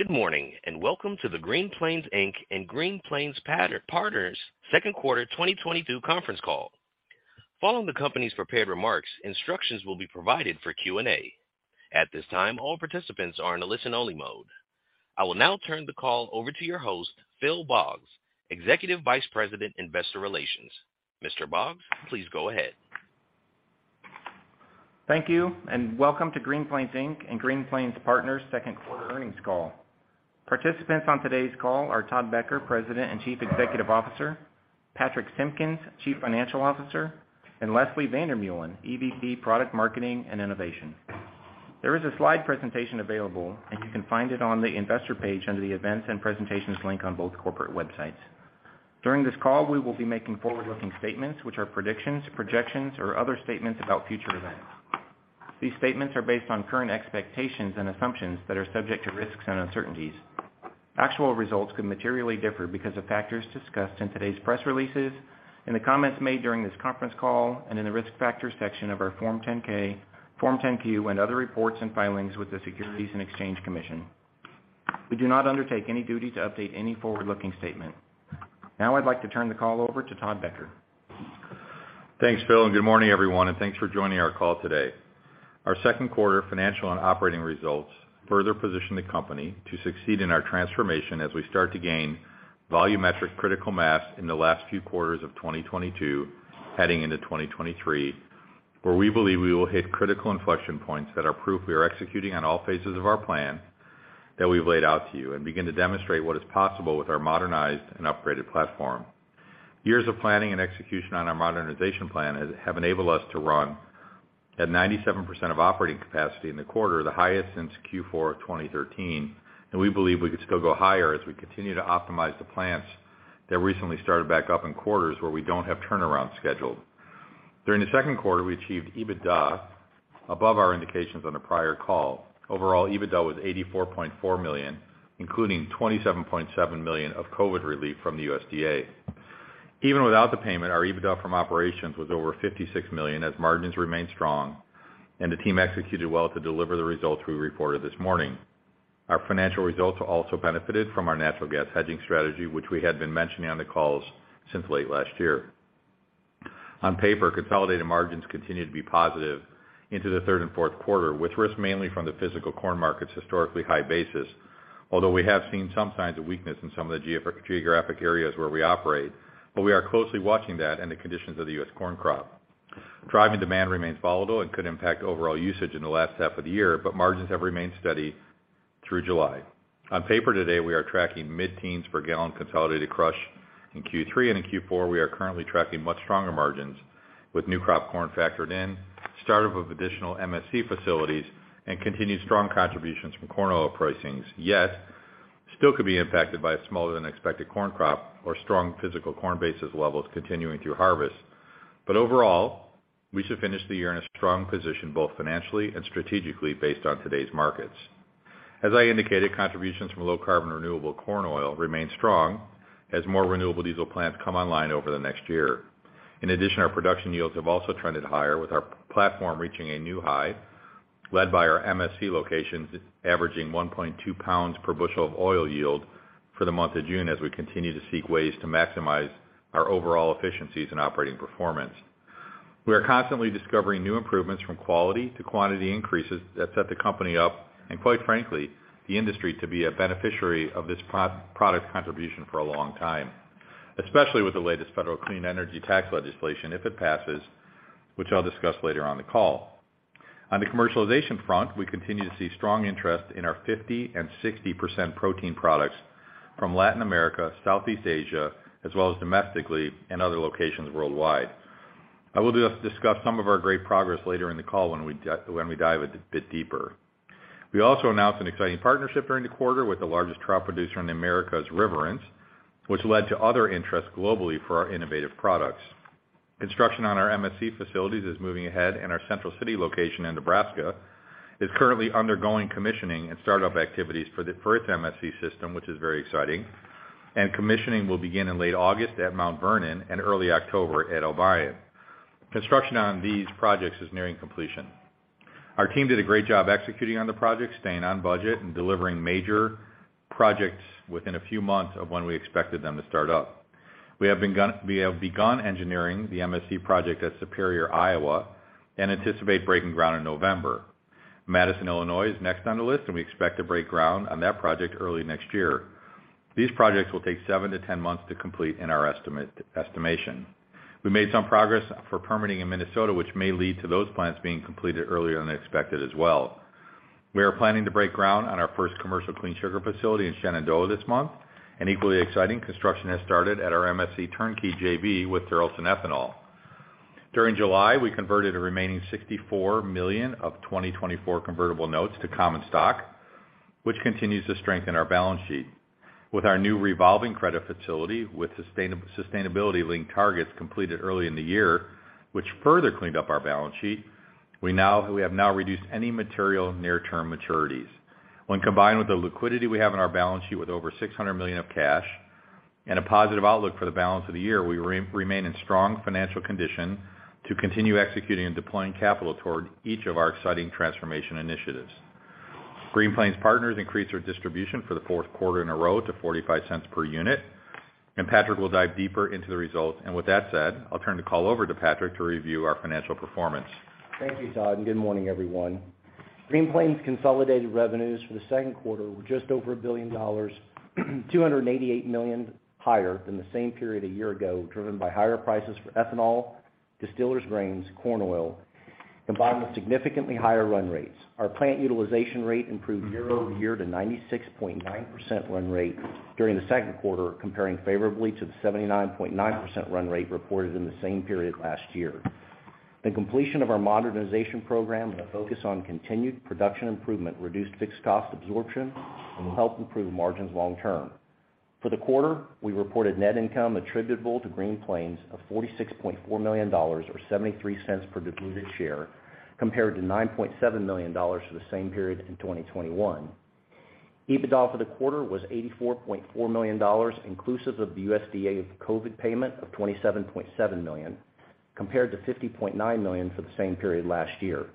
Good morning, and welcome to the Green Plains Inc. Green Plains Partners second quarter 2022 conference call. Following the company's prepared remarks, instructions will be provided for Q&A. At this time, all participants are in a listen-only mode. I will now turn the call over to your host, Phil Boggs, Executive Vice President, Investor Relations. Mr. Boggs, please go ahead. Thank you, and welcome to Green Plains Inc. Green Plains partners second quarter earnings call. Participants on today's call are Todd Becker, President and Chief Executive Officer; Patrich Simpkins, Chief Financial Officer; and Leslie van der Meulen, EVP Product Marketing and Innovation. There is a slide presentation available, and you can find it on the Investor page under the Events and Presentations link on both corporate websites. During this call, we will be making forward-looking statements, which are predictions, projections, or other statements about future events. These statements are based on current expectations and assumptions that are subject to risks and uncertainties. Actual results could materially differ because of factors discussed in today's press releases, in the comments made during this conference call, and in the Risk Factors section of our Form 10-K, Form 10-Q, and other reports and filings with the Securities and Exchange Commission. We do not undertake any duty to update any forward-looking statement. Now I'd like to turn the call over to Todd Becker. Thanks, Phil, and good morning, everyone, and thanks for joining our call today. Our second quarter financial and operating results further position the company to succeed in our transformation as we start to gain volumetric critical mass in the last few quarters of 2022 heading into 2023, where we believe we will hit critical inflection points that are proof we are executing on all phases of our plan that we've laid out to you and begin to demonstrate what is possible with our modernized and upgraded platform. Years of planning and execution on our modernization plan have enabled us to run at 97% of operating capacity in the quarter, the highest since Q4 of 2013, and we believe we could still go higher as we continue to optimize the plants that recently started back up in quarters where we don't have turnarounds scheduled. During the second quarter, we achieved EBITDA above our indications on the prior call. Overall, EBITDA was $84.4 million, including $27.7 million of COVID relief from the USDA. Even without the payment, our EBITDA from operations was over $56 million as margins remained strong and the team executed well to deliver the results we reported this morning. Our financial results also benefited from our natural gas hedging strategy, which we had been mentioning on the calls since late last year. On paper, consolidated margins continued to be positive into the third and fourth quarter, with risk mainly from the physical corn market's historically high basis. Although we have seen some signs of weakness in some of the geographic areas where we operate, but we are closely watching that and the conditions of the U.S. corn crop. Driving demand remains volatile and could impact overall usage in the last half of the year, but margins have remained steady through July. On paper today, we are tracking mid-teens per gallon consolidated crush in Q3, and in Q4, we are currently tracking much stronger margins with new crop corn factored in, startup of additional MSC facilities, and continued strong contributions from corn oil pricing. Yet, still could be impacted by a smaller than expected corn crop or strong physical corn basis levels continuing through harvest. Overall, we should finish the year in a strong position, both financially and strategically based on today's markets. As I indicated, contributions from low carbon renewable corn oil remain strong as more renewable diesel plants come online over the next year. In addition, our production yields have also trended higher, with our platform reaching a new high led by our MSC locations averaging 1.2 lbs per bushel of oil yield for the month of June as we continue to seek ways to maximize our overall efficiencies and operating performance. We are constantly discovering new improvements from quality to quantity increases that set the company up, and quite frankly, the industry to be a beneficiary of this by-product contribution for a long time, especially with the latest federal clean energy tax legislation, if it passes, which I'll discuss later on the call. On the commercialization front, we continue to see strong interest in our 50% and 60% protein products from Latin America, Southeast Asia, as well as domestically and other locations worldwide. I will discuss some of our great progress later in the call when we dive a bit deeper. We also announced an exciting partnership during the quarter with the largest trout producer in the Americas, Riverence, which led to other interests globally for our innovative products. Construction on our MSC facilities is moving ahead, and our Central City location in Nebraska is currently undergoing commissioning and startup activities for its MSC system, which is very exciting. Commissioning will begin in late August at Mount Vernon and early October at Obion. Construction on these projects is nearing completion. Our team did a great job executing on the project, staying on budget and delivering major projects within a few months of when we expected them to start up. We have begun engineering the MSC project at Superior, Iowa, and anticipate breaking ground in November. Madison, Illinois, is next on the list, and we expect to break ground on that project early next year. These projects will take seven to 10 months to complete in our estimation. We made some progress for permitting in Minnesota, which may lead to those plants being completed earlier than expected as well. We are planning to break ground on our first commercial clean sugar facility in Shenandoah this month. Equally exciting, construction has started at our MSC turnkey JV with Tharaldson Ethanol. During July, we converted a remaining $64 million of 2024 convertible notes to common stock, which continues to strengthen our balance sheet. With our new revolving credit facility with sustainability-linked targets completed early in the year, which further cleaned up our balance sheet, we now have reduced any material near-term maturities. When combined with the liquidity we have on our balance sheet with over $600 million of cash and a positive outlook for the balance of the year, we remain in strong financial condition to continue executing and deploying capital toward each of our exciting transformation Green Plains Partners increased their distribution for the fourth quarter in a row to $0.45 per unit, and Patrich will dive deeper into the results. With that said, I'll turn the call over to Patrich to review our financial performance. Thank you, Todd, and good morning, everyone. Green Plains' consolidated revenues for the second quarter were just over $1 billion, $288 million higher than the same period a year ago, driven by higher prices for ethanol, distillers' grains, corn oil, combined with significantly higher run rates. Our plant utilization rate improved year-over-year to 96.9% run rate during the second quarter, comparing favorably to the 79.9% run rate reported in the same period last year. The completion of our modernization program and a focus on continued production improvement reduced fixed cost absorption and will help improve margins long term. For the quarter, we reported net income attributable to Green Plains of $46.4 million or $0.73 per diluted share, compared to $9.7 million for the same period in 2021. EBITDA for the quarter was $84.4 million, inclusive of the USDA COVID payment of $27.7 million, compared to $50.9 million for the same period last year.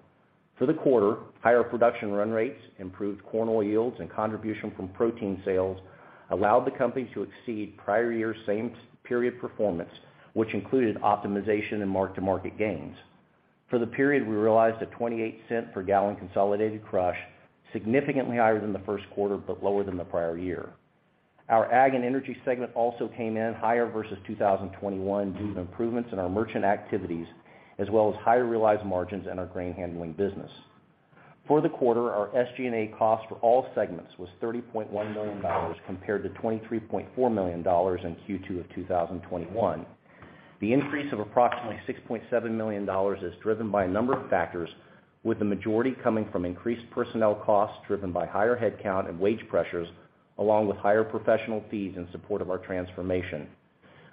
For the quarter, higher production run rates, improved corn oil yields, and contribution from protein sales allowed the company to exceed prior year's same period performance, which included optimization and mark-to-market gains. For the period, we realized a $0.28 per gallon consolidated crush, significantly higher than the first quarter, but lower than the prior year. Our ag and energy segment also came in higher versus 2021 due to improvements in our merchant activities as well as higher realized margins in our grain handling business. For the quarter, our SG&A cost for all segments was $30.1 million compared to $23.4 million in Q2 of 2021. The increase of approximately $6.7 million is driven by a number of factors, with the majority coming from increased personnel costs driven by higher headcount and wage pressures, along with higher professional fees in support of our transformation.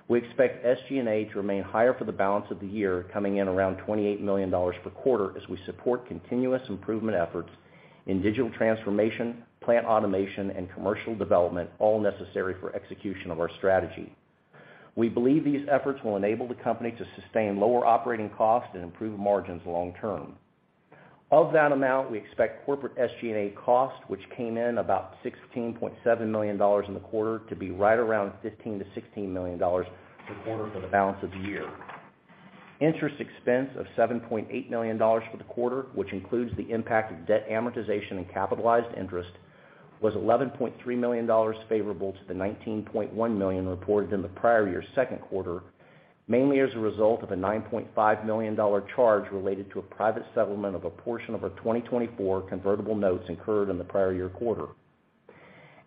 We expect SG&A to remain higher for the balance of the year, coming in around $28 million per quarter as we support continuous improvement efforts in digital transformation, plant automation, and commercial development, all necessary for execution of our strategy. We believe these efforts will enable the company to sustain lower operating costs and improve margins long term. Of that amount, we expect corporate SG&A costs, which came in about $16.7 million in the quarter, to be right around $15 million-$16 million per quarter for the balance of the year. Interest expense of $7.8 million for the quarter, which includes the impact of debt amortization and capitalized interest, was $11.3 million favorable to the $19.1 million reported in the prior year's second quarter, mainly as a result of a $9.5 million charge related to a private settlement of a portion of our 2024 convertible notes incurred in the prior year quarter.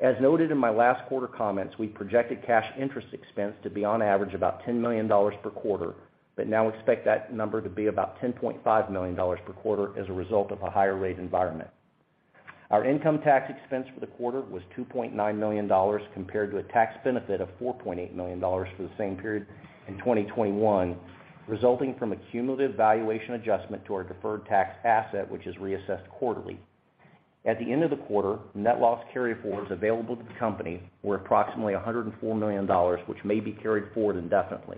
As noted in my last quarter comments, we projected cash interest expense to be on average about $10 million per quarter, but now expect that number to be about $10.5 million per quarter as a result of a higher rate environment. Our income tax expense for the quarter was $2.9 million compared to a tax benefit of $4.8 million for the same period in 2021, resulting from a cumulative valuation adjustment to our deferred tax asset, which is reassessed quarterly. At the end of the quarter, net loss carryforwards available to the company were approximately $104 million, which may be carried forward indefinitely.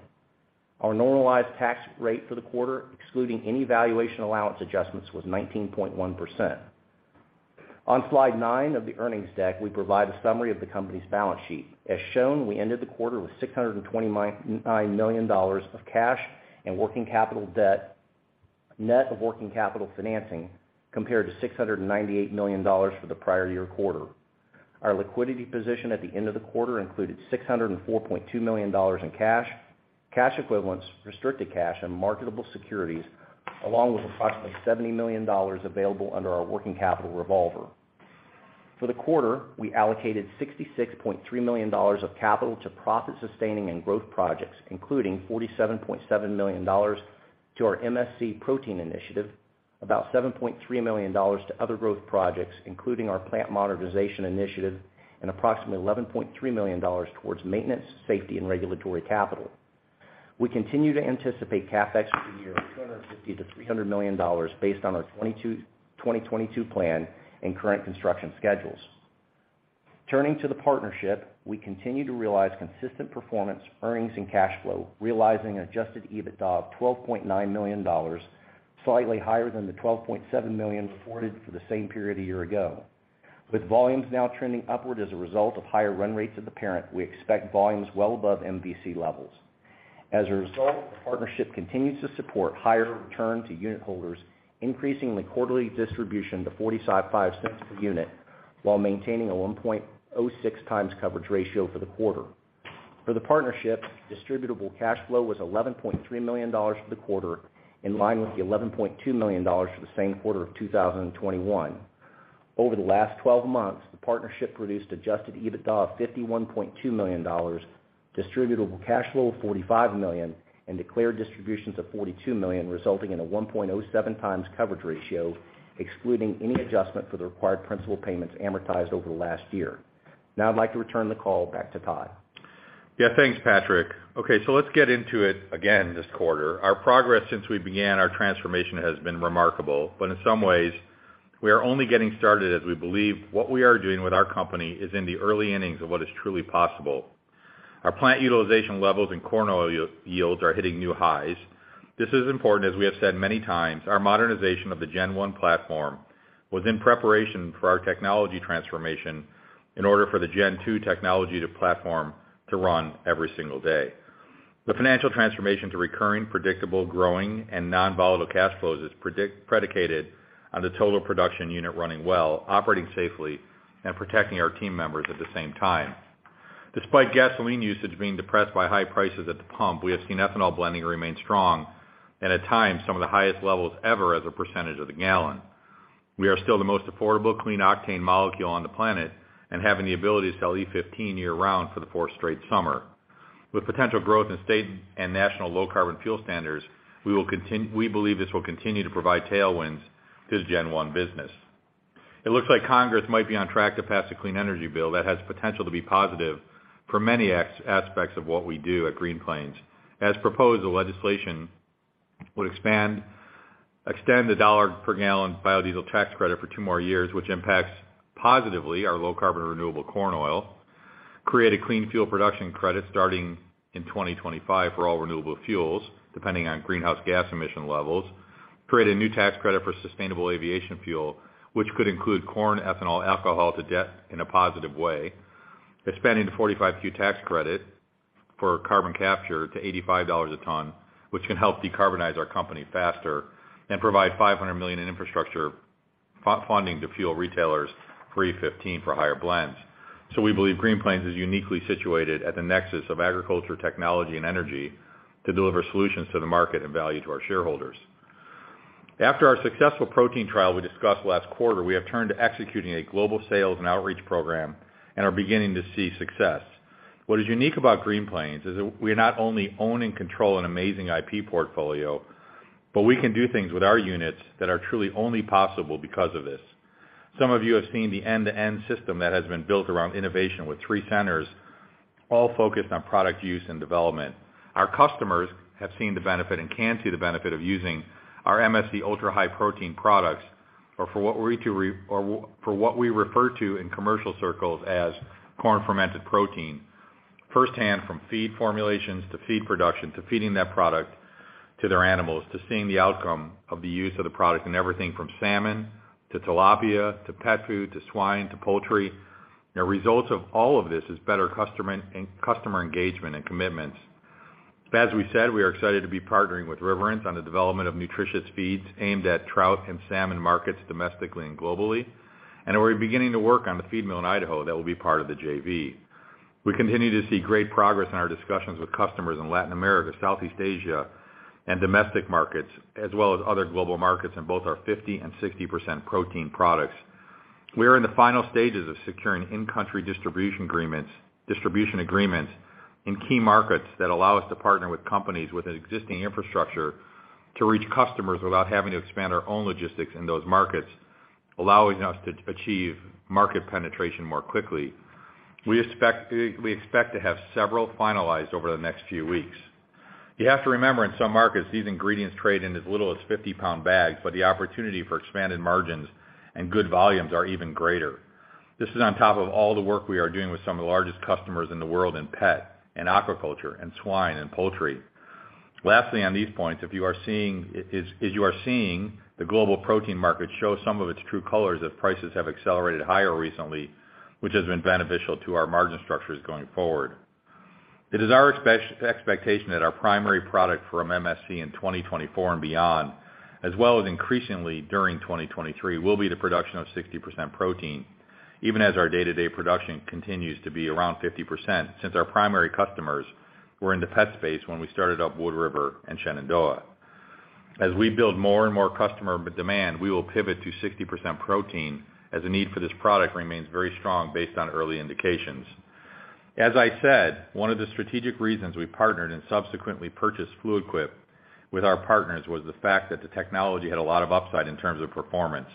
Our normalized tax rate for the quarter, excluding any valuation allowance adjustments, was 19.1%. On slide nine of the earnings deck, we provide a summary of the company's balance sheet. As shown, we ended the quarter with $629 million of cash and working capital debt, net of working capital financing, compared to $698 million for the prior year quarter. Our liquidity position at the end of the quarter included $604.2 million in cash equivalents, restricted cash, and marketable securities, along with approximately $70 million available under our working capital revolver. For the quarter, we allocated $66.3 million of capital to profit-sustaining and growth projects, including $47.7 million to our MSC protein initiative, about $7.3 million to other growth projects, including our plant modernization initiative, and approximately $11.3 million towards maintenance, safety, and regulatory capital. We continue to anticipate CapEx for the year of $250 million-$300 million based on our 2022 plan and current construction schedules. Turning to the partnership, we continue to realize consistent performance, earnings, and cash flow, realizing Adjusted EBITDA of $12.9 million, slightly higher than the $12.7 million reported for the same period a year ago. With volumes now trending upward as a result of higher run rates of the parent, we expect volumes well above MVC levels. As a result, the partnership continues to support higher return to unitholders, increasing the quarterly distribution to $0.45 per unit, while maintaining a 1.06x coverage ratio for the quarter. For the partnership, distributable cash flow was $11.3 million for the quarter, in line with the $11.2 million for the same quarter of 2021. Over the last 12 months, the partnership produced Adjusted EBITDA of $51.2 million, distributable cash flow of $45 million, and declared distributions of $42 million, resulting in a 1.07x coverage ratio, excluding any adjustment for the required principal payments amortized over the last year. Now I'd like to return the call back to Todd. Yeah, thanks, Patrich. Okay, let's get into it again this quarter. Our progress since we began our transformation has been remarkable, but in some ways we are only getting started as we believe what we are doing with our company is in the early innings of what is truly possible. Our plant utilization levels and corn oil yields are hitting new highs. This is important, as we have said many times, our modernization of the Gen One platform was in preparation for our technology transformation in order for the Gen Two technology platform to run every single day. The financial transformation to recurring, predictable, growing, and non-volatile cash flows is predicated on the total production unit running well, operating safely, and protecting our team members at the same time. Despite gasoline usage being depressed by high prices at the pump, we have seen ethanol blending remain strong and at times some of the highest levels ever as a percentage of the gallon. We are still the most affordable clean octane molecule on the planet and having the ability to sell E15 year-round for the fourth straight summer. With potential growth in state and national low carbon fuel standards, we believe this will continue to provide tailwinds to the Gen One business. It looks like Congress might be on track to pass a clean energy bill that has potential to be positive for many aspects of what we do at Green Plains. As proposed, the legislation would extend the $1 per gallon biodiesel tax credit for two more years, which impacts positively our low carbon renewable corn oil, create a clean fuel production credit starting in 2025 for all renewable fuels, depending on greenhouse gas emission levels, create a new tax credit for sustainable aviation fuel, which could include corn ethanol alcohol-to-jet in a positive way, expanding the 45Q tax credit for carbon capture to $85 a ton, which can help decarbonize our company faster and provide $500 million in infrastructure funding to fuel retailers E15 for higher blends. We believe Green Plains is uniquely situated at the nexus of agriculture, technology, and energy to deliver solutions to the market and value to our shareholders. After our successful protein trial we discussed last quarter, we have turned to executing a global sales and outreach program and are beginning to see success. What is unique about Green Plains is we not only own and control an amazing IP portfolio, but we can do things with our units that are truly only possible because of this. Some of you have seen the end-to-end system that has been built around innovation with three centers all focused on product use and development. Our customers have seen the benefit and can see the benefit of using our MSC Ultra-High Protein products, or for what we refer to in commercial circles as Corn Fermented Protein. Firsthand from feed formulations, to feed production, to feeding that product to their animals, to seeing the outcome of the use of the product in everything from salmon to tilapia, to pet food, to swine, to poultry. The results of all of this is better customer and customer engagement and commitments. As we said, we are excited to be partnering with Riverence on the development of nutritious feeds aimed at trout and salmon markets domestically and globally, and we're beginning to work on the feed mill in Idaho that will be part of the JV. We continue to see great progress in our discussions with customers in Latin America, Southeast Asia, and domestic markets, as well as other global markets in both our 50% and 60% protein products. We are in the final stages of securing in-country distribution agreements in key markets that allow us to partner with companies with an existing infrastructure to reach customers without having to expand our own logistics in those markets, allowing us to achieve market penetration more quickly. We expect to have several finalized over the next few weeks. You have to remember, in some markets, these ingredients trade in as little as 50 lbs bag, but the opportunity for expanded margins and good volumes are even greater. This is on top of all the work we are doing with some of the largest customers in the world in pet, and aquaculture, and swine, and poultry. Lastly, on these points, if you are seeing. As you are seeing, the global protein market shows some of its true colors as prices have accelerated higher recently, which has been beneficial to our margin structures going forward. It is our expectation that our primary product from MSC in 2024 and beyond, as well as increasingly during 2023, will be the production of 60% protein, even as our day-to-day production continues to be around 50% since our primary customers were in the pet space when we started up Wood River and Shenandoah. As we build more and more customer demand, we will pivot to 60% protein as the need for this product remains very strong based on early indications. As I said, one of the strategic reasons we partnered and subsequently purchased Fluid Quip with our partners was the fact that the technology had a lot of upside in terms of performance.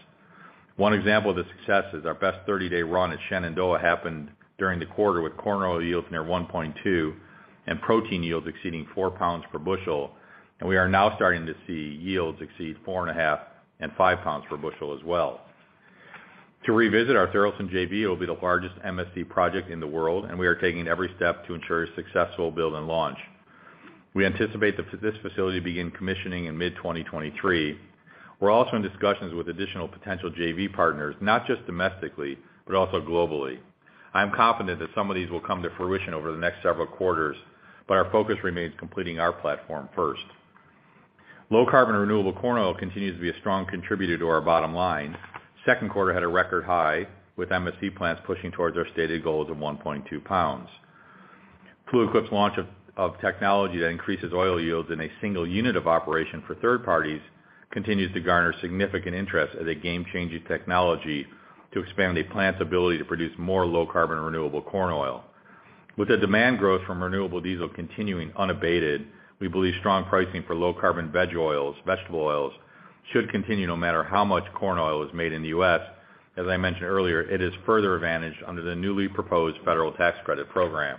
One example of the success is our best 30-day run at Shenandoah happened during the quarter with corn oil yields near 1.2 and protein yields exceeding 4 lbs per bushel, and we are now starting to see yields exceed 4.5 lbs and 5 lbs per bushel as well. To revisit, our Tharaldson JV will be the largest MSC project in the world, and we are taking every step to ensure a successful build and launch. We anticipate that this facility begin commissioning in mid-2023. We're also in discussions with additional potential JV partners, not just domestically, but also globally. I'm confident that some of these will come to fruition over the next several quarters, but our focus remains completing our platform first. Low-carbon renewable corn oil continues to be a strong contributor to our bottom line. Second quarter had a record high with MSC plants pushing towards our stated goals of 1.2 lbs. Fluid Quip's launch of technology that increases oil yields in a single unit of operation for third parties continues to garner significant interest as a game-changing technology to expand a plant's ability to produce more low carbon renewable corn oil. With the demand growth from renewable diesel continuing unabated, we believe strong pricing for low carbon veg oils, vegetable oils should continue no matter how much corn oil is made in the U.S. As I mentioned earlier, it is further advantaged under the newly proposed federal tax credit program.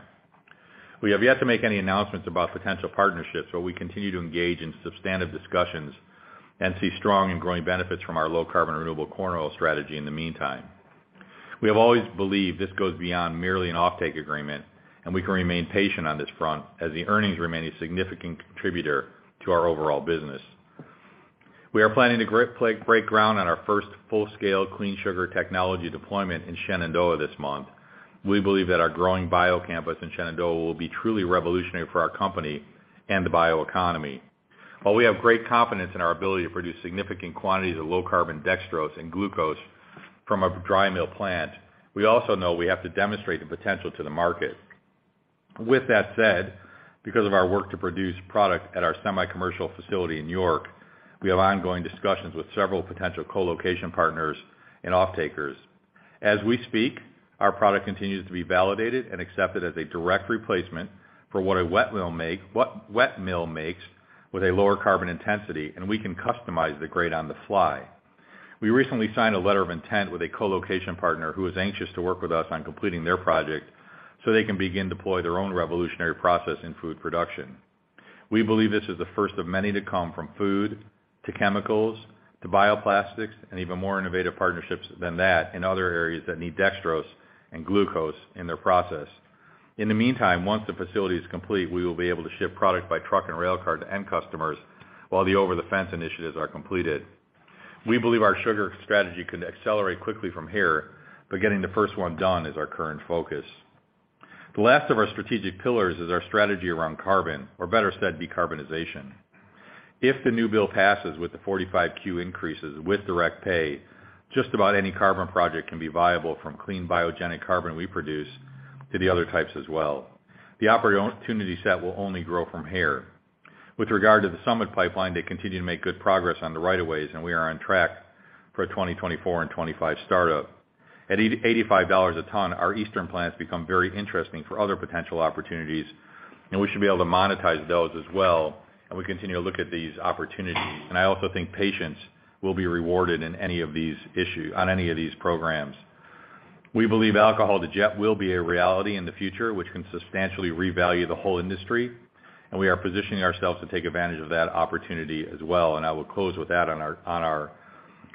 We have yet to make any announcements about potential partnerships, but we continue to engage in substantive discussions and see strong and growing benefits from our low carbon renewable corn oil strategy in the meantime. We have always believed this goes beyond merely an offtake agreement, and we can remain patient on this front as the earnings remain a significant contributor to our overall business. We are planning to break ground on our first full-scale Clean Sugar Technology deployment in Shenandoah this month. We believe that our growing bio campus in Shenandoah will be truly revolutionary for our company and the bio economy. While we have great confidence in our ability to produce significant quantities of low carbon dextrose and glucose from a dry mill plant, we also know we have to demonstrate the potential to the market. With that said, because of our work to produce product at our semi-commercial facility in York, we have ongoing discussions with several potential co-location partners and off-takers. As we speak, our product continues to be validated and accepted as a direct replacement for what wet mill makes with a lower carbon intensity, and we can customize the grade on the fly. We recently signed a letter of intent with a co-location partner who is anxious to work with us on completing their project so they can begin deploy their own revolutionary process in food production. We believe this is the first of many to come from food to chemicals to bioplastics and even more innovative partnerships than that in other areas that need dextrose and glucose in their process. In the meantime, once the facility is complete, we will be able to ship product by truck and rail car to end customers while the over the fence initiatives are completed. We believe our sugar strategy can accelerate quickly from here, but getting the first one done is our current focus. The last of our strategic pillars is our strategy around carbon, or better said, decarbonization. If the new bill passes with the 45Q increases with direct pay, just about any carbon project can be viable from clean biogenic carbon we produce to the other types as well. The opportunity set will only grow from here. With regard to the Summit pipeline, they continue to make good progress on the rights-of-way, and we are on track for a 2024 and 2025 startup. At $85 a ton, our Eastern plants become very interesting for other potential opportunities, and we should be able to monetize those as well and we continue to look at these opportunities. I also think patience will be rewarded on any of these programs. We believe alcohol-to-jet will be a reality in the future, which can substantially revalue the whole industry, and we are positioning ourselves to take advantage of that opportunity as well. I will close with that on our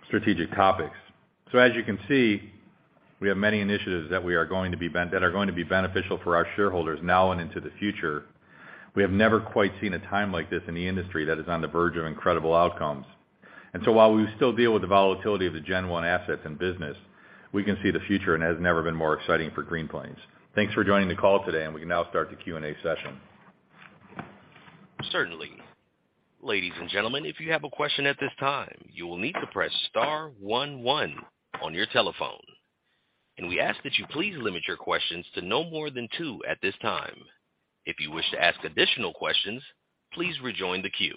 strategic topics. As you can see, we have many initiatives that are going to be beneficial for our shareholders now and into the future. We have never quite seen a time like this in the industry that is on the verge of incredible outcomes. While we still deal with the volatility of the Gen One assets and business, we can see the future and has never been more exciting for Green Plains. Thanks for joining the call today, and we can now start the Q&A session. Certainly. Ladies and gentlemen, if you have a question at this time, you will need to press star one one on your telephone. We ask that you please limit your questions to no more than two at this time. If you wish to ask additional questions, please rejoin the queue.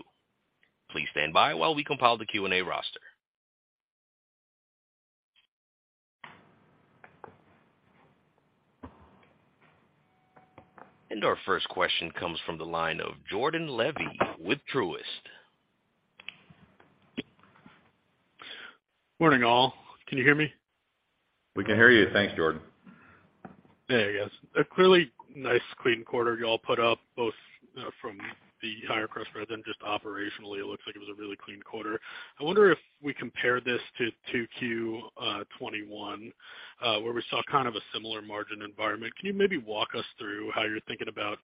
Please stand by while we compile the Q&A roster. Our first question comes from the line of Jordan Levy with Truist. Morning, all. Can you hear me? We can hear you. Thanks, Jordan. There you guys. A clearly nice clean quarter you all put up both from the higher crush spread and just operationally. It looks like it was a really clean quarter. I wonder if we compare this to 2Q 2021 where we saw kind of a similar margin environment. Can you maybe walk us through how you're thinking about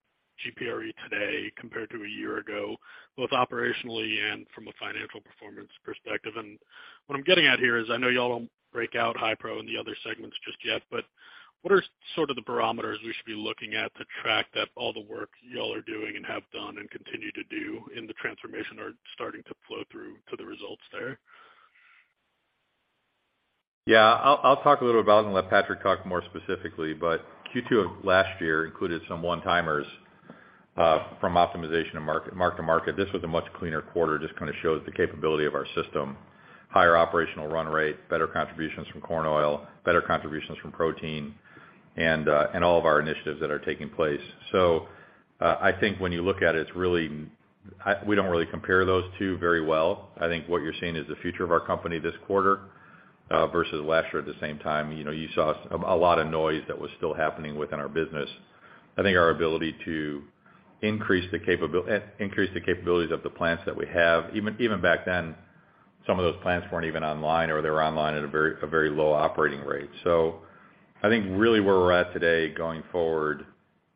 GPRE today compared to a year ago, both operationally and from a financial performance perspective? What I'm getting at here is I know y'all don't break out high pro in the other segments just yet, but what are sort of the barometers we should be looking at to track that all the work y'all are doing and have done and continue to do in the transformation are starting to flow through to the results there? Yeah. I'll talk a little about it and let Patrich talk more specifically. Q2 of last year included some one-timers from optimization to mark to market. This was a much cleaner quarter, just kind of shows the capability of our system, higher operational run rate, better contributions from corn oil, better contributions from protein and all of our initiatives that are taking place. I think when you look at it's really we don't really compare those two very well. I think what you're seeing is the future of our company this quarter versus last year at the same time. You know, you saw a lot of noise that was still happening within our business. I think our ability to increase the capabilities of the plants that we have. Even back then, some of those plants weren't even online or they were online at a very low operating rate. I think really where we're at today going forward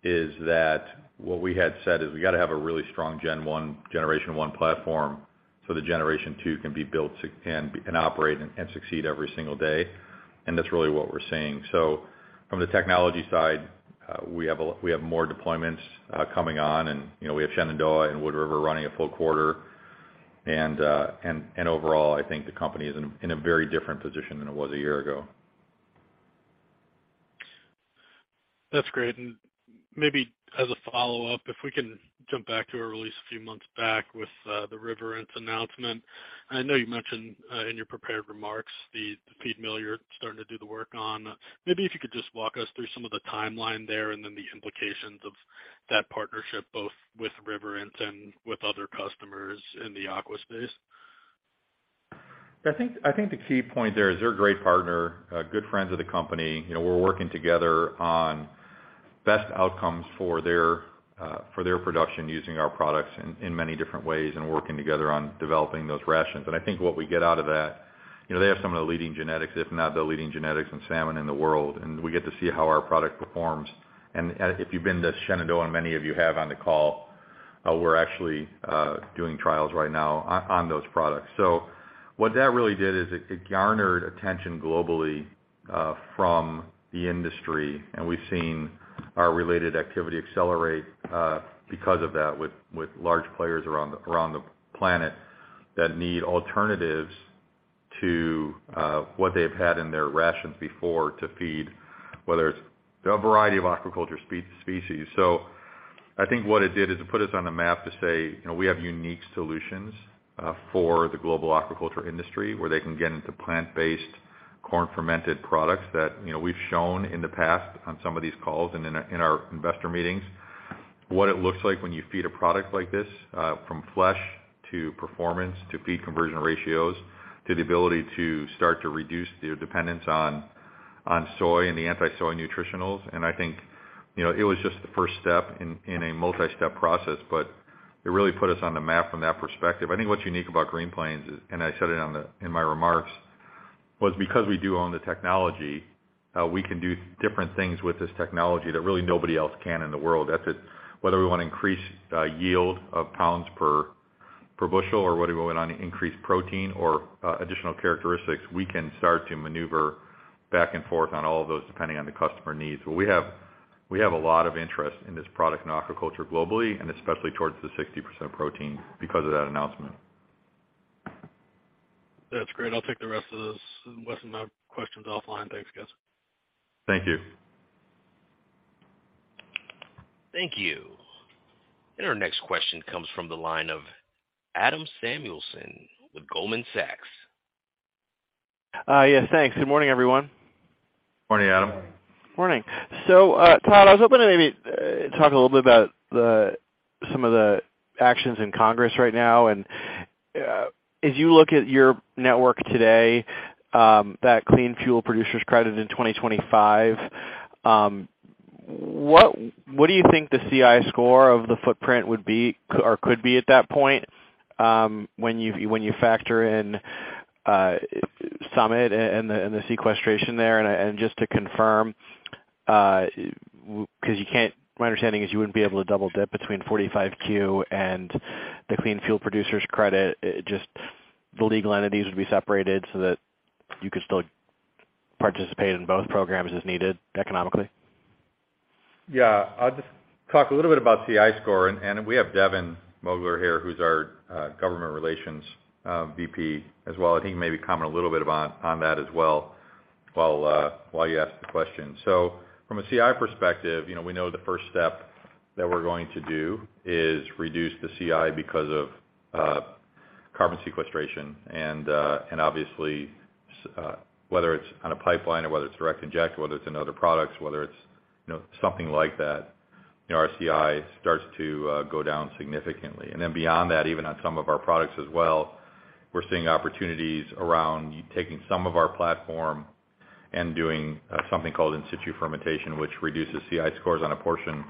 is that what we had said is we got to have a really strong Gen One, generation one platform so the Gen Two can be built to and operate and succeed every single day. That's really what we're seeing. From the technology side, we have more deployments coming on and, you know, we have Shenandoah and Wood River running a full quarter. Overall, I think the company is in a very different position than it was a year ago. That's great. Maybe as a follow-up, if we can jump back to a release a few months back with the Riverence announcement. I know you mentioned in your prepared remarks the feed mill you're starting to do the work on. Maybe if you could just walk us through some of the timeline there and then the implications of that partnership both with Riverence and with other customers in the aqua space. I think the key point there is they're a great partner, good friends of the company. You know, we're working together on best outcomes for their production using our products in many different ways and working together on developing those rations. I think what we get out of that, you know, they have some of the leading genetics, if not the leading genetics in salmon in the world, and we get to see how our product performs. If you've been to Shenandoah, and many of you have on the call, we're actually doing trials right now on those products. What that really did is it garnered attention globally from the industry, and we've seen our related activity accelerate because of that with large players around the planet that need alternatives to what they've had in their rations before to feed, whether it's a variety of aquaculture species. I think what it did is it put us on the map to say, you know, we have unique solutions for the global aquaculture industry, where they can get into plant-based corn fermented products that, you know, we've shown in the past on some of these calls and in our investor meetings what it looks like when you feed a product like this from flesh to performance to feed conversion ratios to the ability to start to reduce their dependence on soy and the anti-soy nutritionals. I think, you know, it was just the first step in a multi-step process, but it really put us on the map from that perspective. I think what's unique about Green Plains is, and I said it in my remarks, was because we do own the technology, we can do different things with this technology that really nobody else can in the world. That's it. Whether we wanna increase yield of pounds per bushel, or whether we wanna increase protein or additional characteristics, we can start to maneuver back and forth on all of those, depending on the customer needs. But we have a lot of interest in this product in aquaculture globally, and especially towards the 60% protein because of that announcement. That's great. I'll take the rest of those, rest of my questions offline. Thanks, guys. Thank you. Thank you. Our next question comes from the line of Adam Samuelson with Goldman Sachs. Yes, thanks. Good morning, everyone. Morning, Adam. Morning. Todd, I was hoping to maybe talk a little bit about some of the actions in Congress right now. As you look at your network today, that Clean Fuel Producers Credit in 2025, what do you think the CI score of the footprint would be, or could be at that point, when you factor in Summit and the sequestration there? Just to confirm, 'cause you can't. My understanding is you wouldn't be able to double dip between 45Q and the Clean Fuel Producers Credit. Just the legal entities would be separated so that you could still participate in both programs as needed economically. Yeah. I'll just talk a little bit about CI score, and we have Devin Mogler here, who's our Government Relations VP as well. He may comment a little bit about that as well while you ask the question. From a CI perspective, you know, we know the first step that we're going to do is reduce the CI because of carbon sequestration. Obviously, whether it's on a pipeline or whether it's direct inject, or whether it's in other products, whether it's, you know, something like that, you know, our CI starts to go down significantly. Beyond that, even on some of our products as well, we're seeing opportunities around taking some of our platform and doing something called in-situ fermentation, which reduces CI scores on a portion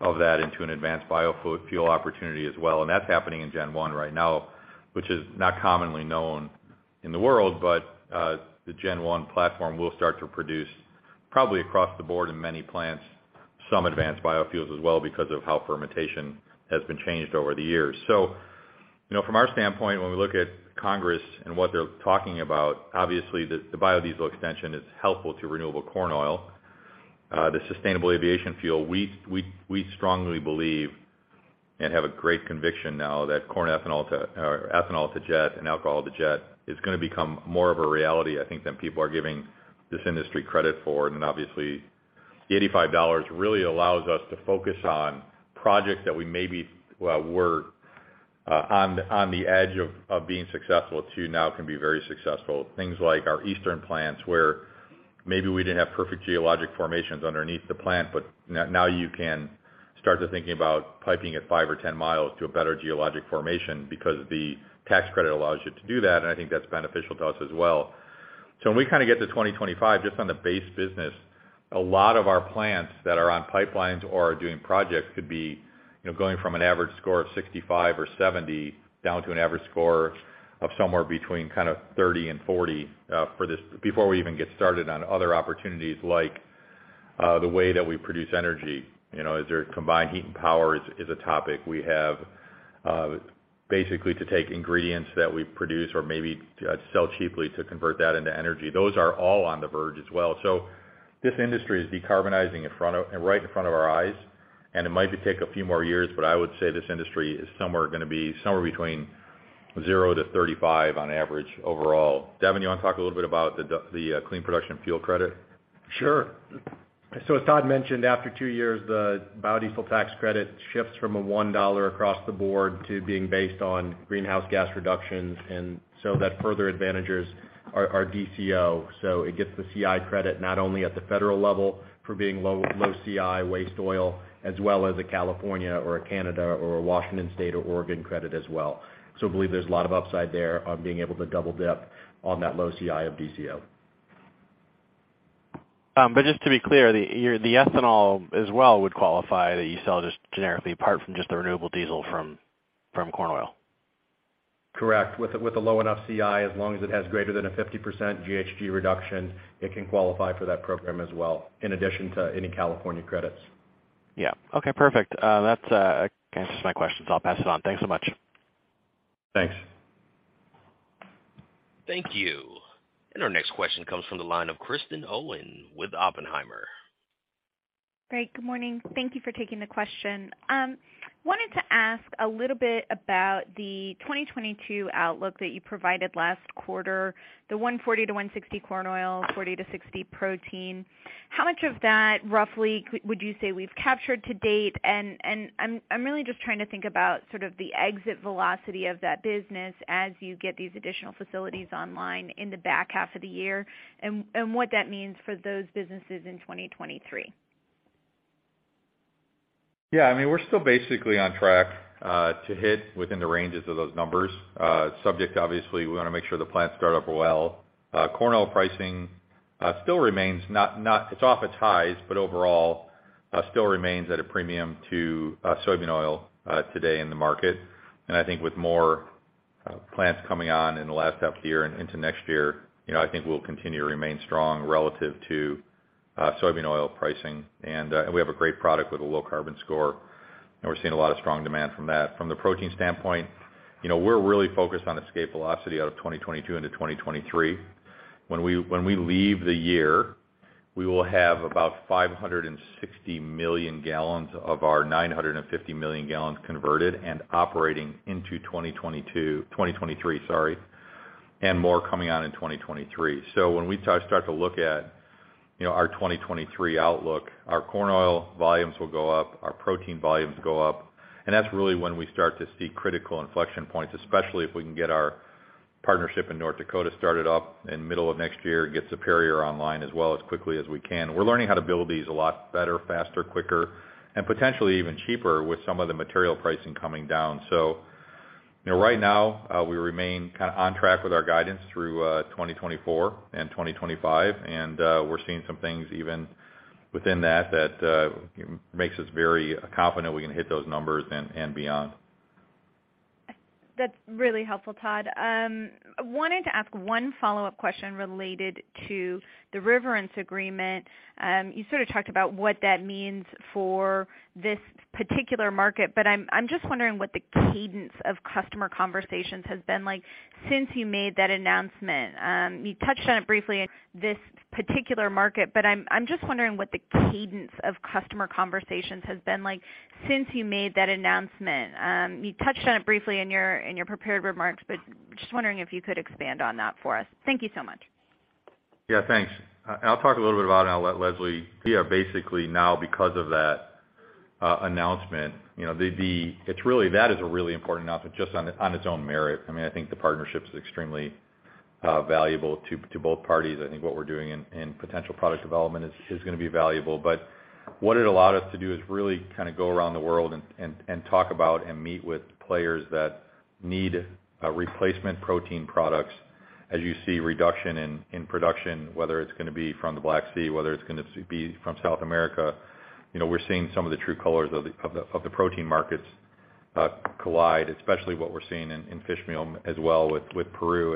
of that into an advanced biofuel opportunity as well. That's happening in Gen One right now, which is not commonly known in the world. The Gen One platform will start to produce probably across the board in many plants, some advanced biofuels as well because of how fermentation has been changed over the years. You know, from our standpoint, when we look at Congress and what they're talking about, obviously the biodiesel extension is helpful to renewable corn oil. The sustainable aviation fuel, we strongly believe and have a great conviction now that corn ethanol or ethanol-to-jet and alcohol-to-jet is gonna become more of a reality, I think, than people are giving this industry credit for. Obviously, the $85 really allows us to focus on projects that we maybe were on the edge of being successful but now can be very successful. Things like our Eastern plants, where maybe we didn't have perfect geologic formations underneath the plant, but now you can start thinking about piping it 5 mi or 10 mi to a better geologic formation because the tax credit allows you to do that, and I think that's beneficial to us as well. When we kinda get to 2025, just on the base business, a lot of our plants that are on pipelines or are doing projects could be, you know, going from an average score of 65 or 70 down to an average score of somewhere between kind of 30 and 40. Before we even get started on other opportunities like the way that we produce energy. You know, as there combined heat and power is a topic we have basically to take ingredients that we produce or maybe sell cheaply to convert that into energy. Those are all on the verge as well. This industry is decarbonizing right in front of our eyes, and it might take a few more years, but I would say this industry is somewhere gonna be, somewhere between zero to 35 on average overall. Devin, you wanna talk a little bit about the clean production fuel credit? Sure. As Todd mentioned, after two years, the biodiesel tax credit shifts from a $1 across the board to being based on greenhouse gas reductions, and so that further advantages. Our DCO. It gets the CI credit not only at the federal level for being low CI waste oil, as well as a California or a Canada or a Washington State or Oregon credit as well. I believe there's a lot of upside there on being able to double dip on that low CI of DCO. Just to be clear, the ethanol as well would qualify that you sell just generically apart from just the renewable diesel from corn oil. Correct. With a low enough CI, as long as it has greater than a 50% GHG reduction, it can qualify for that program as well, in addition to any California credits. Yeah. Okay, perfect. That answers my questions. I'll pass it on. Thanks so much. Thanks. Thank you. Our next question comes from the line of Kristen Owen with Oppenheimer. Great. Good morning. Thank you for taking the question. Wanted to ask a little bit about the 2022 outlook that you provided last quarter, the 140-160 corn 40-60 Protein. how much of that roughly would you say we've captured to date? And I'm really just trying to think about sort of the exit velocity of that business as you get these additional facilities online in the back half of the year, and what that means for those businesses in 2023. Yeah. I mean, we're still basically on track to hit within the ranges of those numbers, subject obviously, we wanna make sure the plants start up well. Corn oil pricing still remains it's off its highs, but overall, still remains at a premium to soybean oil today in the market. I think with more plants coming on in the last half year and into next year, you know, I think we'll continue to remain strong relative to soybean oil pricing. We have a great product with a low carbon score, and we're seeing a lot of strong demand from that. From the protein standpoint, you know, we're really focused on escape velocity out of 2022 into 2023. When we leave the year, we will have about 560 million gallons of our 950 million gallons converted and operating into 2023, sorry, and more coming on in 2023. When we start to look at, you know, our 2023 outlook, our corn oil volumes will go up, our protein volumes go up, and that's really when we start to see critical inflection points, especially if we can get our partnership in North Dakota started up in middle of next year, get Superior online as well as quickly as we can. We're learning how to build these a lot better, faster, quicker, and potentially even cheaper with some of the material pricing coming down. You know, right now, we remain kinda on track with our guidance through 2024 and 2025, and we're seeing some things even within that that makes us very confident we can hit those numbers and beyond. That's really helpful, Todd. Wanted to ask one follow-up question related to the Riverence agreement. You sort of talked about what that means for this particular market, but I'm just wondering what the cadence of customer conversations has been like since you made that announcement. You touched on it briefly in your prepared remarks, but just wondering if you could expand on that for us. Thank you so much. Yeah, thanks. I'll talk a little bit about it, and I'll let Leslie be our basically now because of that announcement. You know, it's really, that is a really important announcement just on its own merit. I mean, I think the partnership is extremely valuable to both parties. I think what we're doing in potential product development is gonna be valuable. What it allowed us to do is really kinda go around the world and talk about and meet with players that need replacement protein products. As you see reduction in production, whether it's gonna be from the Black Sea, whether it's gonna be from South America, you know, we're seeing some of the true colors of the protein markets collide, especially what we're seeing in fishmeal as well with Peru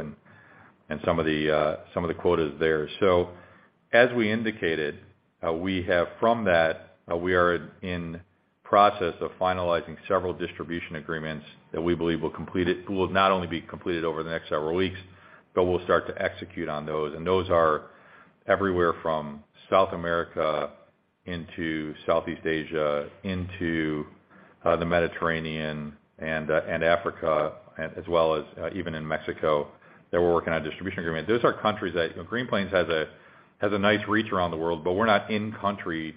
and some of the quotas there. As we indicated, we are in process of finalizing several distribution agreements that we believe will not only be completed over the next several weeks, but we'll start to execute on those. Those are everywhere from South America into Southeast Asia, into the Mediterranean and Africa, as well as even in Mexico, that we're working on a distribution agreement. Those are countries that, you know, Green Plains has a nice reach around the world, but we're not in country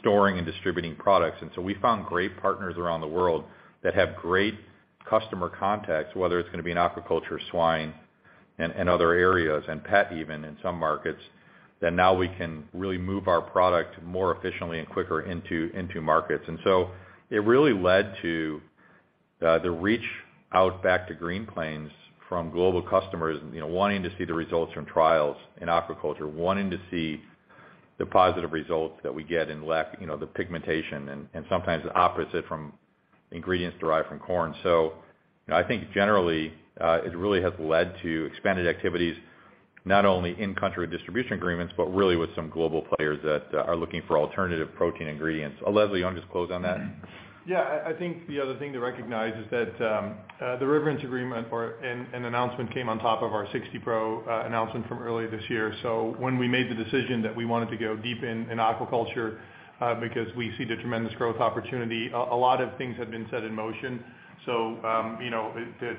storing and distributing products. We found great partners around the world that have great customer contacts, whether it's gonna be in aquaculture, swine, and other areas, and pet even in some markets, that now we can really move our product more efficiently and quicker into markets. It really led to the reach out back to Green Plains from global customers, you know, wanting to see the results from trials in aquaculture, wanting to see the positive results that we get in lack, you know, the pigmentation and sometimes the opposite from ingredients derived from corn. I think generally, it really has led to expanded activities, not only in country distribution agreements, but really with some global players that are looking for alternative protein ingredients. Leslie, you wanna just close on that? Yeah. I think the other thing to recognize is that the Riverence agreement or an announcement came on top of 60 Pro announcement from earlier this year. When we made the decision that we wanted to go deep in aquaculture because we see the tremendous growth opportunity, a lot of things have been set in motion. You know,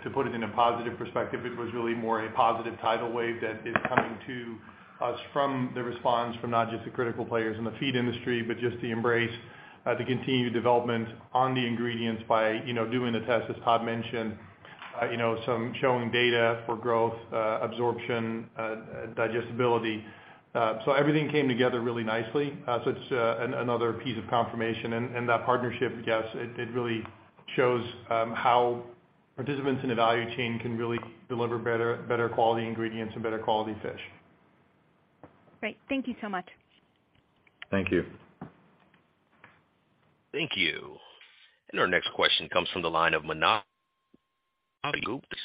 to put it in a positive perspective, it was really more a positive tidal wave that is coming. The response from not just the critical players in the feed industry, but just the embrace to continue development on the ingredients by, you know, doing the test, as Todd mentioned, you know, some showing data for growth, absorption, digestibility. Everything came together really nicely. It's another piece of confirmation. That partnership, yes, it really shows how participants in the value chain can really deliver better quality ingredients and better quality fish. Great. Thank you so much. Thank you. Thank you. Our next question comes from the line of Manav Gupta.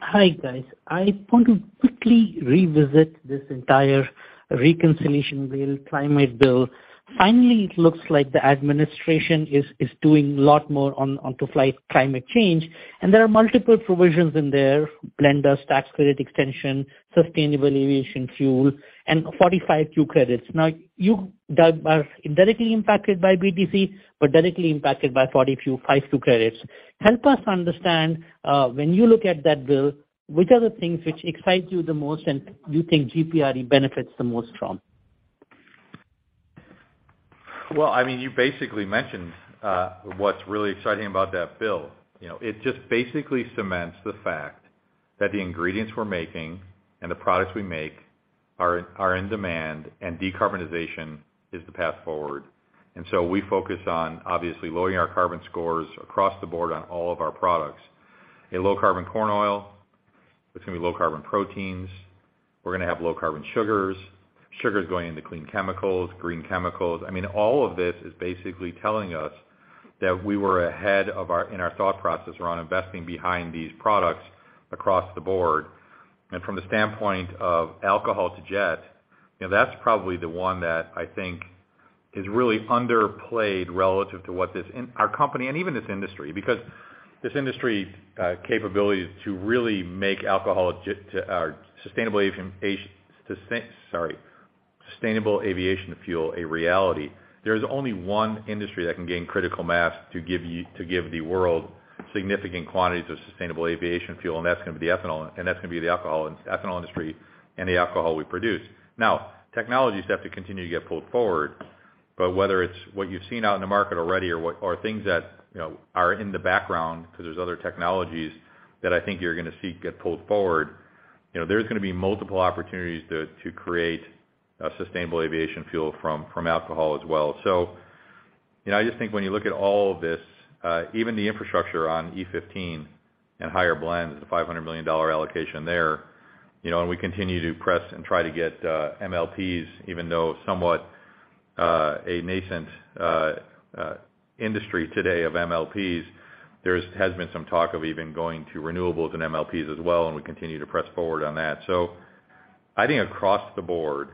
Hi, guys. I want to quickly revisit this entire reconciliation bill, climate bill. Finally, it looks like the administration is doing a lot more on to fight climate change, and there are multiple provisions in there, blenders tax credit extension, sustainable aviation fuel, and 45Q credits. Now, that are indirectly impacted by BTC, but directly impacted by 45Q credits. Help us understand, when you look at that bill, which are the things which excite you the most and you think GPRE benefits the most from? Well, I mean, you basically mentioned what's really exciting about that bill. You know, it just basically cements the fact that the ingredients we're making and the products we make are in demand and decarbonization is the path forward. We focus on obviously lowering our carbon scores across the board on all of our products. A low carbon corn oil, it's gonna be low carbon proteins. We're gonna have low carbon sugars going into clean chemicals, green chemicals. I mean, all of this is basically telling us that we were ahead in our thought process around investing behind these products across the board. From the standpoint of alcohol-to-jet, you know, that's probably the one that I think is really underplayed relative to what our company and even this industry. Because this industry capability to really make alcohol-to-jet sustainable aviation fuel a reality, there's only one industry that can gain critical mass to give the world significant quantities of sustainable aviation fuel, and that's gonna be the ethanol, and that's gonna be the alcohol in ethanol industry and the alcohol we produce. Now, technologies have to continue to get pulled forward, but whether it's what you've seen out in the market already or things that, you know, are in the background because there's other technologies that I think you're gonna see get pulled forward, you know, there's gonna be multiple opportunities to create a sustainable aviation fuel from alcohol as well. You know, I just think when you look at all of this, even the infrastructure on E15 and higher blends, the $500 million allocation there, you know, and we continue to press and try to get MLPs, even though somewhat a nascent industry today of MLPs, there has been some talk of even going to renewables and MLPs as well, and we continue to press forward on that. I think across the board,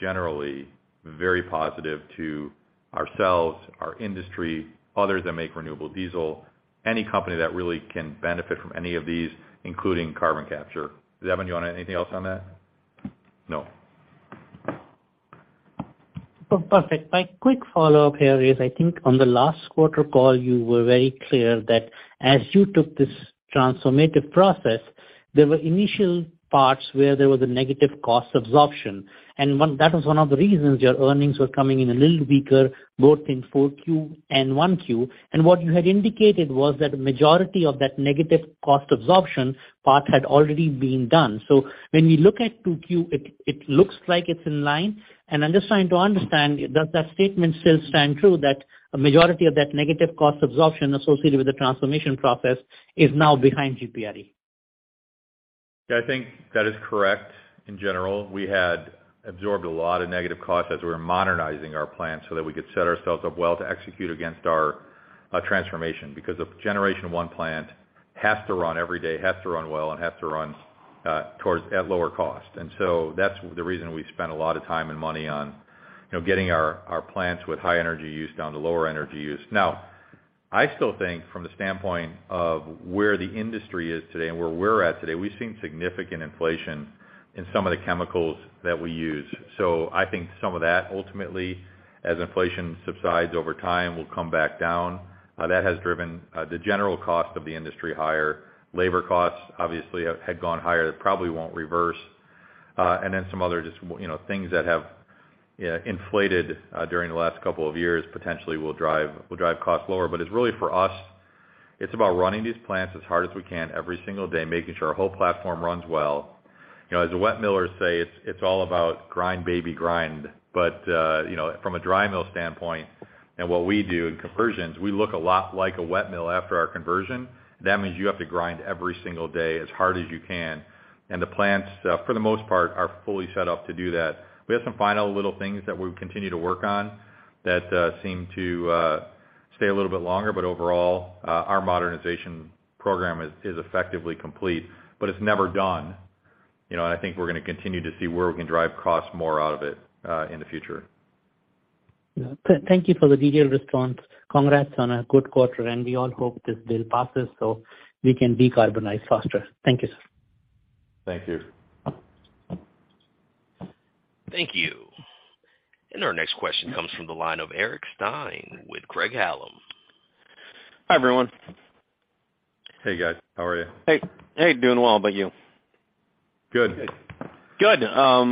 generally very positive to ourselves, our industry, others that make renewable diesel, any company that really can benefit from any of these, including carbon capture. Devin, you want anything else on that? No. Perfect. My quick follow-up here is, I think on the last quarter call, you were very clear that as you took this transformative process, there were initial parts where there was a negative cost absorption. That was one of the reasons your earnings were coming in a little weaker, both in 4Q and 1Q. What you had indicated was that majority of that negative cost absorption part had already been done. When we look at 2Q, it looks like it's in line. I'm just trying to understand, does that statement still stand true that a majority of that negative cost absorption associated with the transformation process is now behind GPRE? Yeah, I think that is correct in general. We had absorbed a lot of negative costs as we were modernizing our plant so that we could set ourselves up well to execute against our transformation. Because a generation one plant has to run every day, has to run well, and has to run towards a lower cost. That's the reason we've spent a lot of time and money on, you know, getting our plants with high energy use down to lower energy use. Now, I still think from the standpoint of where the industry is today and where we're at today, we've seen significant inflation in some of the chemicals that we use. So I think some of that ultimately, as inflation subsides over time, will come back down. That has driven the general cost of the industry higher. Labor costs obviously had gone higher, that probably won't reverse. Then some other just, you know, things that have inflated during the last couple of years potentially will drive costs lower. It's really for us, it's about running these plants as hard as we can every single day, making sure our whole platform runs well. You know, as the wet millers say, it's all about grind, baby, grind. You know, from a dry mill standpoint and what we do in conversions, we look a lot like a wet mill after our conversion. That means you have to grind every single day as hard as you can. The plants, for the most part, are fully set up to do that. We have some final little things that we continue to work on that seem to stay a little bit longer. But overall, our modernization program is effectively complete, but it's never done, you know. I think we're gonna continue to see where we can drive costs more out of it in the future. Yeah. Thank you for the detailed response. Congrats on a good quarter, and we all hope this bill passes, so we can decarbonize faster. Thank you, sir. Thank you. Thank you. Our next question comes from the line of Eric Stine with Craig-Hallum. Hi, everyone. Hey, guys. How are you? Hey. Hey, doing well. How about you? Good. Good. You know,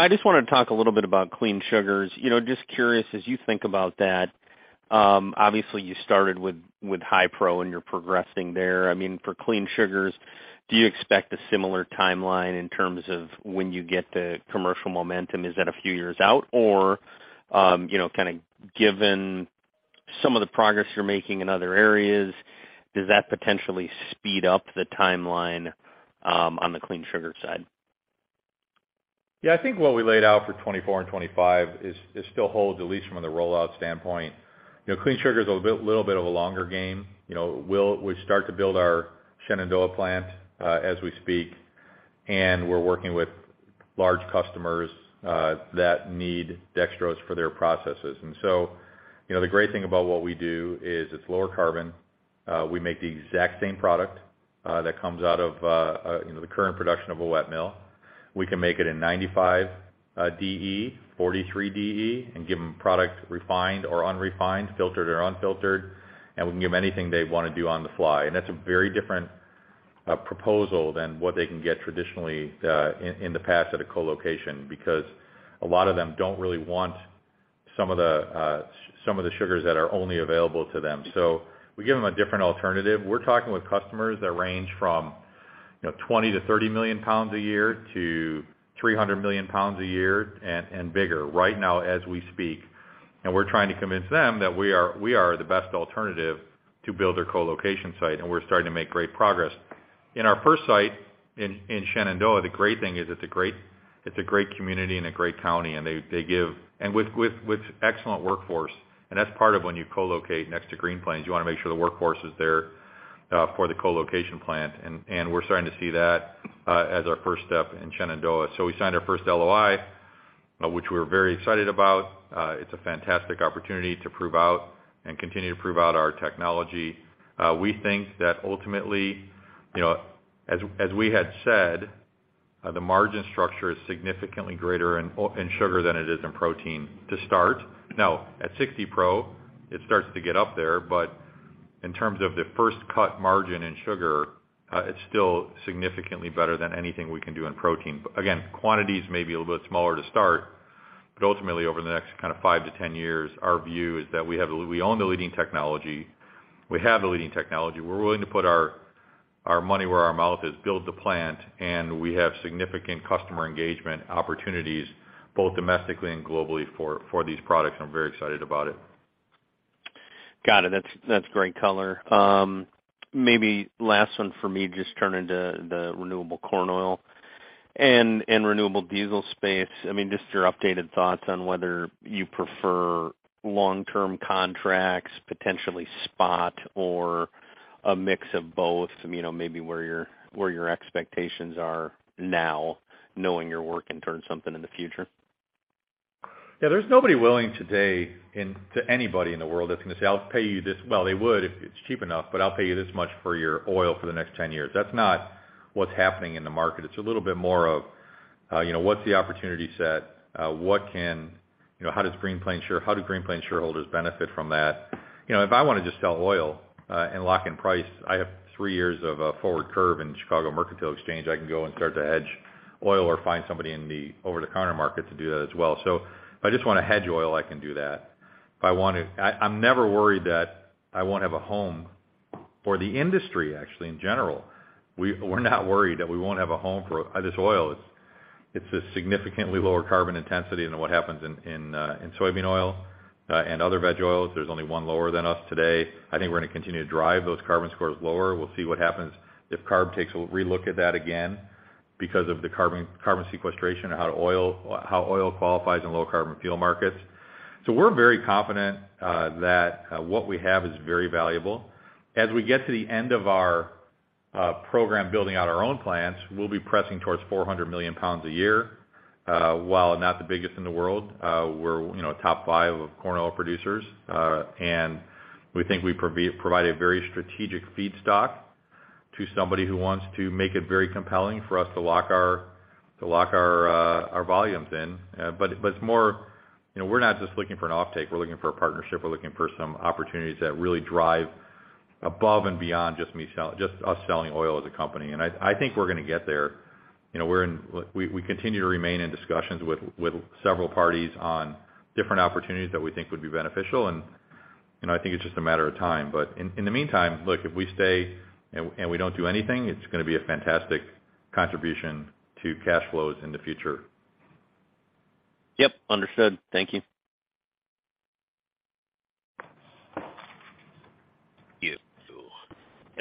I just wanna talk a little bit about clean sugars. You know, just curious as you think about that, obviously you started with high pro and you're progressing there. I mean, for clean sugars, do you expect a similar timeline in terms of when you get the commercial momentum? Is that a few years out or you know, kinda given some of the progress you're making in other areas, does that potentially speed up the timeline on the Clean Sugar side? Yeah. I think what we laid out for 2024 and 2025 is still holds at least from the rollout standpoint. You know, Clean Sugar is a bit, little bit of a longer game. You know, we start to build our Shenandoah plant as we speak, and we're working with large customers that need dextrose for their processes. You know, the great thing about what we do is it's lower carbon. We make the exact same product that comes out of the current production of a wet mill. We can make it in 95 DE, 43 DE, and give them product refined or unrefined, filtered or unfiltered, and we can give them anything they wanna do on the fly. That's a very different proposal than what they can get traditionally in the past at a co-location, because a lot of them don't really want some of the sugars that are only available to them. We give them a different alternative. We're talking with customers that range from, you know, 20 million-30 million pounds a year to 300 million pounds a year and bigger right now as we speak. We're trying to convince them that we are the best alternative to build their co-location site, and we're starting to make great progress. In our first site in Shenandoah, the great thing is it's a great community and a great county, and they give with excellent workforce. That's part of when you co-locate next to Green Plains, you wanna make sure the workforce is there for the co-location plant. We're starting to see that as our first step in Shenandoah. We signed our first LOI, which we're very excited about. It's a fantastic opportunity to prove out and continue to prove out our technology. We think that ultimately, you know, as we had said, the margin structure is significantly greater in sugar than it is in protein to start. Now, 60 Pro, it starts to get up there. In terms of the first cut margin in sugar, it's still significantly better than anything we can do in protein. Again, quantities may be a little bit smaller to start, but ultimately over the next kind of five to 10 years, our view is that we own the leading technology, we have the leading technology. We're willing to put our money where our mouth is, build the plant, and we have significant customer engagement opportunities both domestically and globally for these products. I'm very excited about it. Got it. That's great color. Maybe last one for me, just turning to the renewable corn oil and renewable diesel space. I mean, just your updated thoughts on whether you prefer long-term contracts, potentially spot or a mix of both, you know, maybe where your expectations are now, knowing your work can turn something in the future. Yeah, there's nobody willing today to anybody in the world that's gonna say, "I'll pay you this." Well, they would if it's cheap enough, but I'll pay you this much for your oil for the next 10 years. That's not what's happening in the market. It's a little bit more of, you know, what's the opportunity set? You know, how does Green Plains share? How do Green Plains shareholders benefit from that? You know, if I wanna just sell oil and lock in price, I have three years of a forward curve in Chicago Mercantile Exchange. I can go and start to hedge oil or find somebody in the over-the-counter market to do that as well. So if I just wanna hedge oil, I can do that. If I want to I'm never worried that I won't have a home for the industry actually, in general. We're not worried that we won't have a home for this oil. It's a significantly lower carbon intensity than what happens in soybean oil and other veg oils. There's only one lower than us today. I think we're gonna continue to drive those carbon scores lower. We'll see what happens if CARB takes a relook at that again because of the carbon sequestration or how oil qualifies in low carbon fuel markets. We're very confident that what we have is very valuable. As we get to the end of our program building out our own plants, we'll be pressing towards 400 million pounds a year. While not the biggest in the world, we're, you know, top five of corn oil producers. We think we provide a very strategic feedstock to somebody who wants to make it very compelling for us to lock our volumes in. But it's more. You know, we're not just looking for an offtake, we're looking for a partnership. We're looking for some opportunities that really drive above and beyond just us selling oil as a company. I think we're gonna get there. You know, we continue to remain in discussions with several parties on different opportunities that we think would be beneficial. You know, I think it's just a matter of time. In the meantime, look, if we stay and we don't do anything, it's gonna be a fantastic contribution to cash flows in the future. Yep, understood. Thank you. Thank you.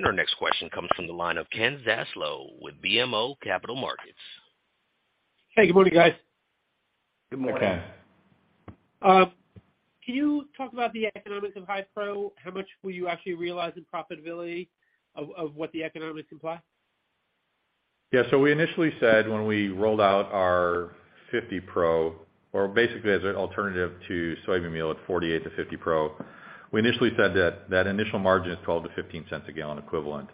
Our next question comes from the line of Ken Zaslow with BMO Capital Markets. Hey, good morning, guys. Good morning. Can you talk about the economics of high protein? How much will you actually realize in profitability of what the economics imply? Yeah. We initially said when we rolled out our 50 Pro, or basically as an alternative to soybean meal at 48 Pro-50 Pro, we initially said that initial margin is $0.12-$0.15 a gallon equivalent.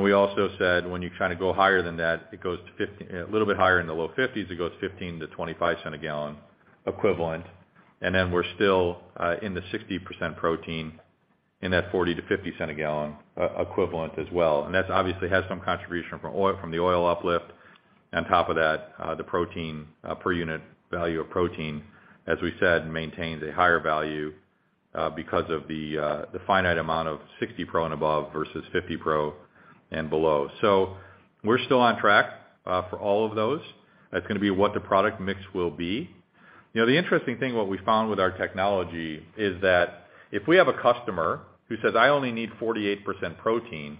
We also said, when you kind of go higher than that, it goes to a little bit higher in the low 50s, it goes $0.15-$0.25 a gallon equivalent. We're still in the 60% protein in that $0.40-$0.50 a gallon equivalent as well. That's obviously has some contribution from oil from the oil uplift. On top of that, the protein per unit value of protein, as we said, maintains a higher value because of the finite amount 60 Pro and above versus 50 Pro and below. We're still on track for all of those. That's gonna be what the product mix will be. You know, the interesting thing, what we found with our technology is that if we have a customer who says, "I only need 48% protein,"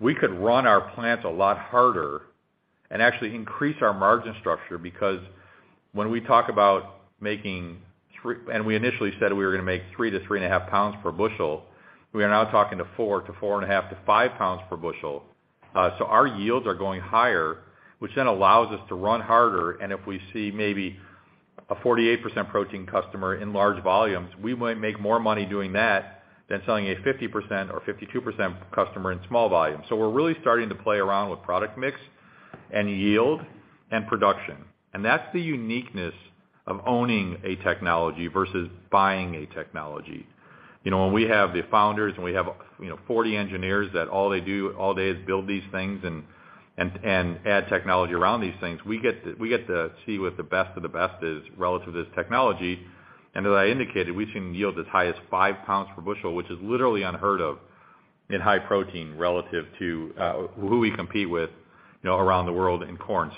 we could run our plants a lot harder and actually increase our margin structure. Because when we talk about making and we initially said we were gonna make 3 lbs-3.5 lbs per bushel, we are now talking to 4 lbs-4.5 to 5 lbs per bushel. Our yields are going higher, which then allows us to run harder. If we see maybe a 48% protein customer in large volumes, we might make more money doing that than selling a 50% or 52% customer in small volumes. We're really starting to play around with product mix and yield and production. That's the uniqueness of owning a technology versus buying a technology. You know, when we have the founders and, you know, 40 engineers that all they do all day is build these things and add technology around these things, we get to see what the best of the best is relative to this technology. As I indicated, we've seen yields as high as 5 lbs per bushel, which is literally unheard of in high protein relative to who we compete with, you know, around the world in corn.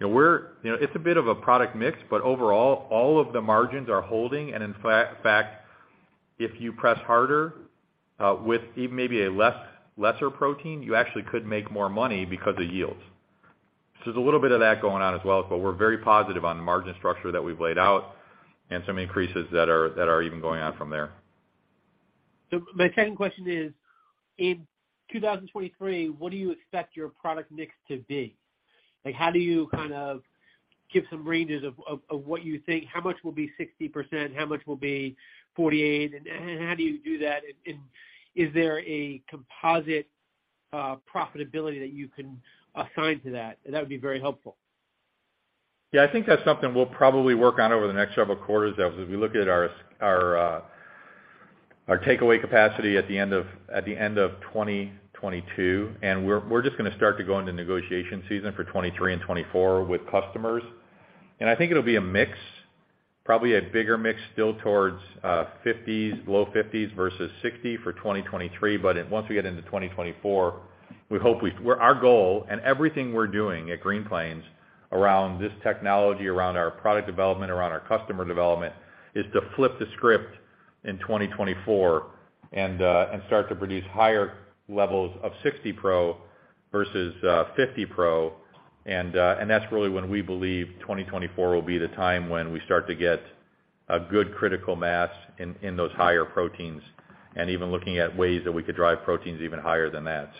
You know, we're, you know, it's a bit of a product mix, but overall, all of the margins are holding. In fact, if you press harder, with even maybe a lesser protein, you actually could make more money because of yields. There's a little bit of that going on as well, but we're very positive on the margin structure that we've laid out and some increases that are even going on from there. My second question is, in 2023, what do you expect your product mix to be? Like, how do you kind of give some ranges of what you think? How much will be 60%? How much will be 48%? And how do you do that? Is there a composite profitability that you can assign to that? That would be very helpful. Yeah. I think that's something we'll probably work on over the next several quarters as we look at our takeaway capacity at the end of 2022, and we're just gonna start to go into negotiation season for 2023 and 2024 with customers. I think it'll be a mix, probably a bigger mix still towards 50s, low 50s versus 60 for 2023. Once we get into 2024, our goal and everything we're doing at Green Plains around this technology, around our product development, around our customer development, is to flip the script in 2024 and start to produce higher levels 60 Pro versus 50 Pro. That's really when we believe 2024 will be the time when we start to get a good critical mass in those higher proteins, and even looking at ways that we could drive proteins even higher than that.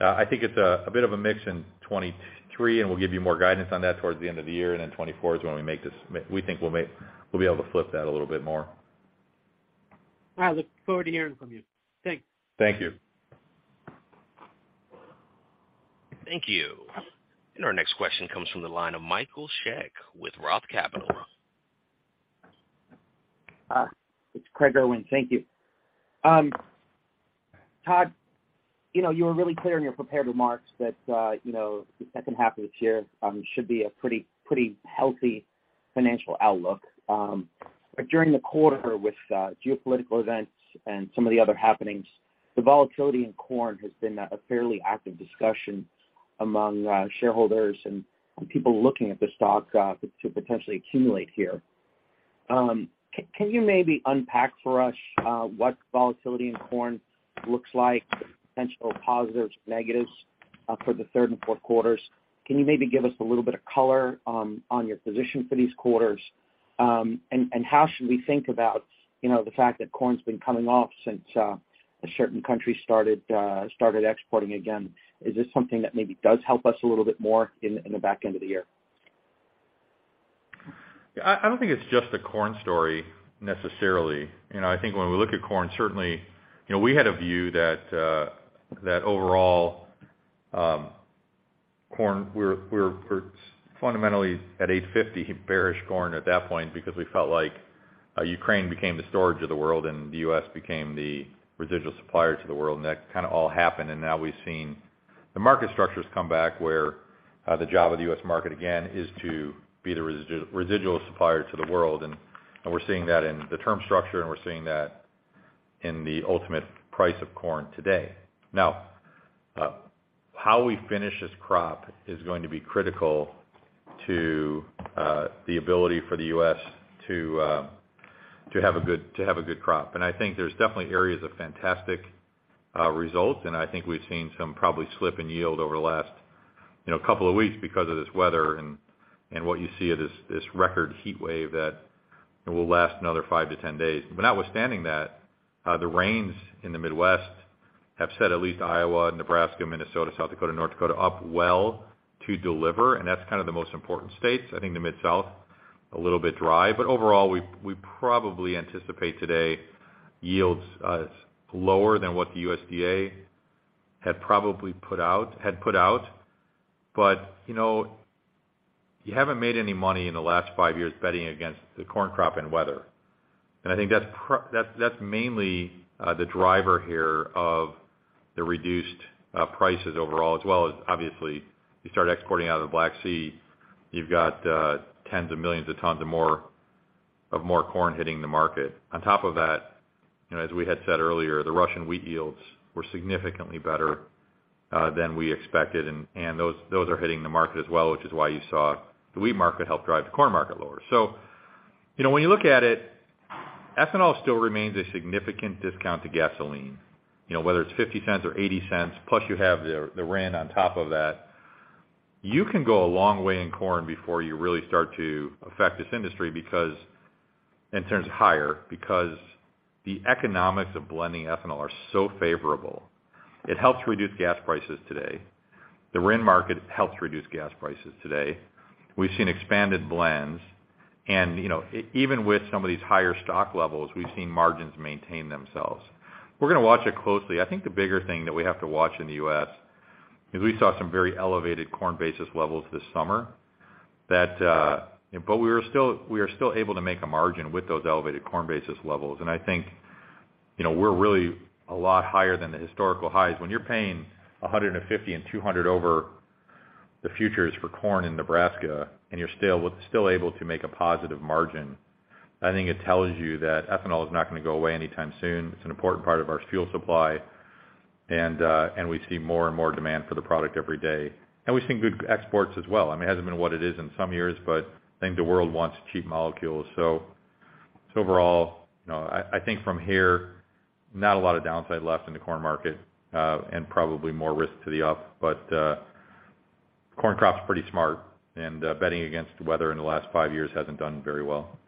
I think it's a bit of a mix in 2023, and we'll give you more guidance on that towards the end of the year. Then 2024 is when we'll be able to flip that a little bit more. I look forward to hearing from you. Thanks. Thank you. Thank you. Our next question comes from the line of Craig Irwin with Roth MKM Partners. It's Craig Irwin. Thank you. Todd, you know, you were really clear in your prepared remarks that, you know, the second half of this year should be a pretty healthy financial outlook. But during the quarter with geopolitical events and some of the other happenings, the volatility in corn has been a fairly active discussion among shareholders and people looking at the stock to potentially accumulate here. Can you maybe unpack for us what volatility in corn looks like, potential positives, negatives, for the third and fourth quarters? Can you maybe give us a little bit of color on your position for these quarters? And how should we think about, you know, the fact that corn's been coming off since a certain country started exporting again? Is this something that maybe does help us a little bit more in the back end of the year? Yeah, I don't think it's just a corn story necessarily. You know, I think when we look at corn, certainly, you know, we had a view that that overall corn we're fundamentally at $8.50, bearish corn at that point because we felt like Ukraine became the storage of the world and the U.S. became the residual supplier to the world. That kind of all happened. Now we've seen the market structures come back where the job of the U.S. market again is to be the residual supplier to the world. We're seeing that in the term structure, and we're seeing that in the ultimate price of corn today. Now, how we finish this crop is going to be critical to the ability for the U.S. to have a good crop. I think there's definitely areas of fantastic results. I think we've seen some probably slip in yield over the last couple of weeks because of this weather and what you see at this record heatwave that will last another five to 10 days. Notwithstanding that, the rains in the Midwest have set at least Iowa, Nebraska, Minnesota, South Dakota, North Dakota up well to deliver, and that's kind of the most important states. I think the Mid-South a little bit dry. Overall, we probably anticipate today's yields lower than what the USDA had probably put out. You haven't made any money in the last five years betting against the corn crop and weather. I think that's mainly the driver here of the reduced prices overall, as well as obviously, you start exporting out of the Black Sea, you've got tens of millions of tons of more corn hitting the market. On top of that, you know, as we had said earlier, the Russian wheat yields were significantly better than we expected, and those are hitting the market as well, which is why you saw the wheat market help drive the corn market lower. You know, when you look at it, ethanol still remains a significant discount to gasoline, you know, whether it's $0.50 or $0.80, plus you have the RIN on top of that. You can go a long way in corn before you really start to affect this industry because in terms of higher, because the economics of blending ethanol are so favorable. It helps reduce gas prices today. The RIN market helps reduce gas prices today. We've seen expanded blends. You know, even with some of these higher stock levels, we've seen margins maintain themselves. We're gonna watch it closely. I think the bigger thing that we have to watch in the U.S. is we saw some very elevated corn basis levels this summer that. But we are still able to make a margin with those elevated corn basis levels. I think, you know, we're really a lot higher than the historical highs. When you're paying $150 and $200 over the futures for corn in Nebraska, and you're still able to make a positive margin, I think it tells you that ethanol is not gonna go away anytime soon. It's an important part of our fuel supply, and we see more and more demand for the product every day. We've seen good exports as well. I mean, it hasn't been what it is in some years, but I think the world wants cheap molecules. Overall, you know, I think from here, not a lot of downside left in the corn market, and probably more risk to the up. Corn crop's pretty smart, and betting against the weather in the last five years hasn't done very well.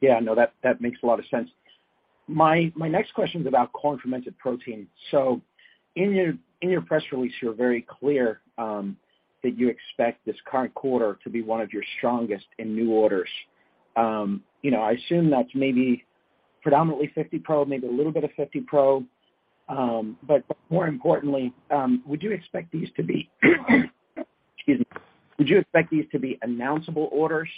Yeah, that makes a lot of sense. My next question's about corn fermented protein. In your press release, you're very clear that you expect this current quarter to be one of your strongest in new orders. You know, I assume that's maybe predominantly 50 Pro, maybe a little bit of 50 Pro. But more importantly, would you expect these to be announceable orders,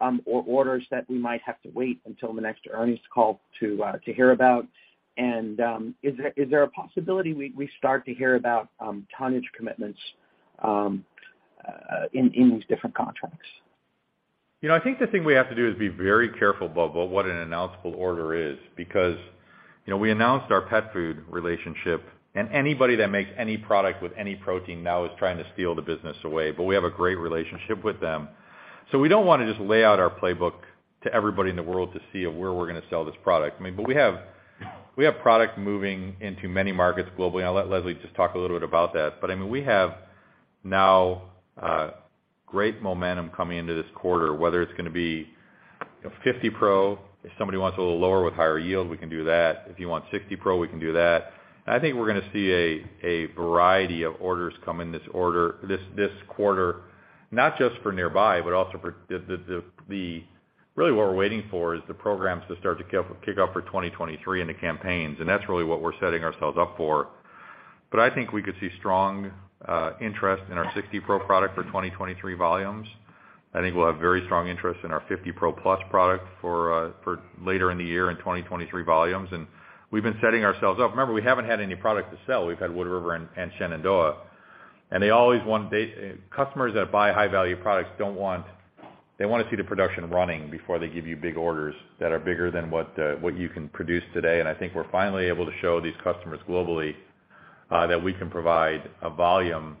or orders that we might have to wait until the next earnings call to hear about? Is there a possibility we start to hear about tonnage commitments in these different contracts? You know, I think the thing we have to do is be very careful about what an announceable order is because, you know, we announced our pet food relationship, and anybody that makes any product with any protein now is trying to steal the business away, but we have a great relationship with them. We don't wanna just lay out our playbook to everybody in the world to see where we're gonna sell this product. I mean, we have product moving into many markets globally, and I'll let Leslie just talk a little bit about that. I mean, we have now great momentum coming into this quarter, whether it's gonna be, you know, 50 Pro. If somebody wants a little lower with higher yield, we can do that. If you 60 Pro, we can do that. I think we're gonna see a variety of orders come in this quarter, not just for nearby, but also. Really what we're waiting for is the programs to start to kick off for 2023 and the campaigns, and that's really what we're setting ourselves up for. I think we could see strong interest in 60 Pro product for 2023 volumes. I think we'll have very strong interest in our 50 Pro Plus product for later in the year in 2023 volumes. We've been setting ourselves up. Remember, we haven't had any product to sell. We've had Wood River and Shenandoah. Customers that buy high-value products don't want. They wanna see the production running before they give you big orders that are bigger than what you can produce today. I think we're finally able to show these customers globally that we can provide a volume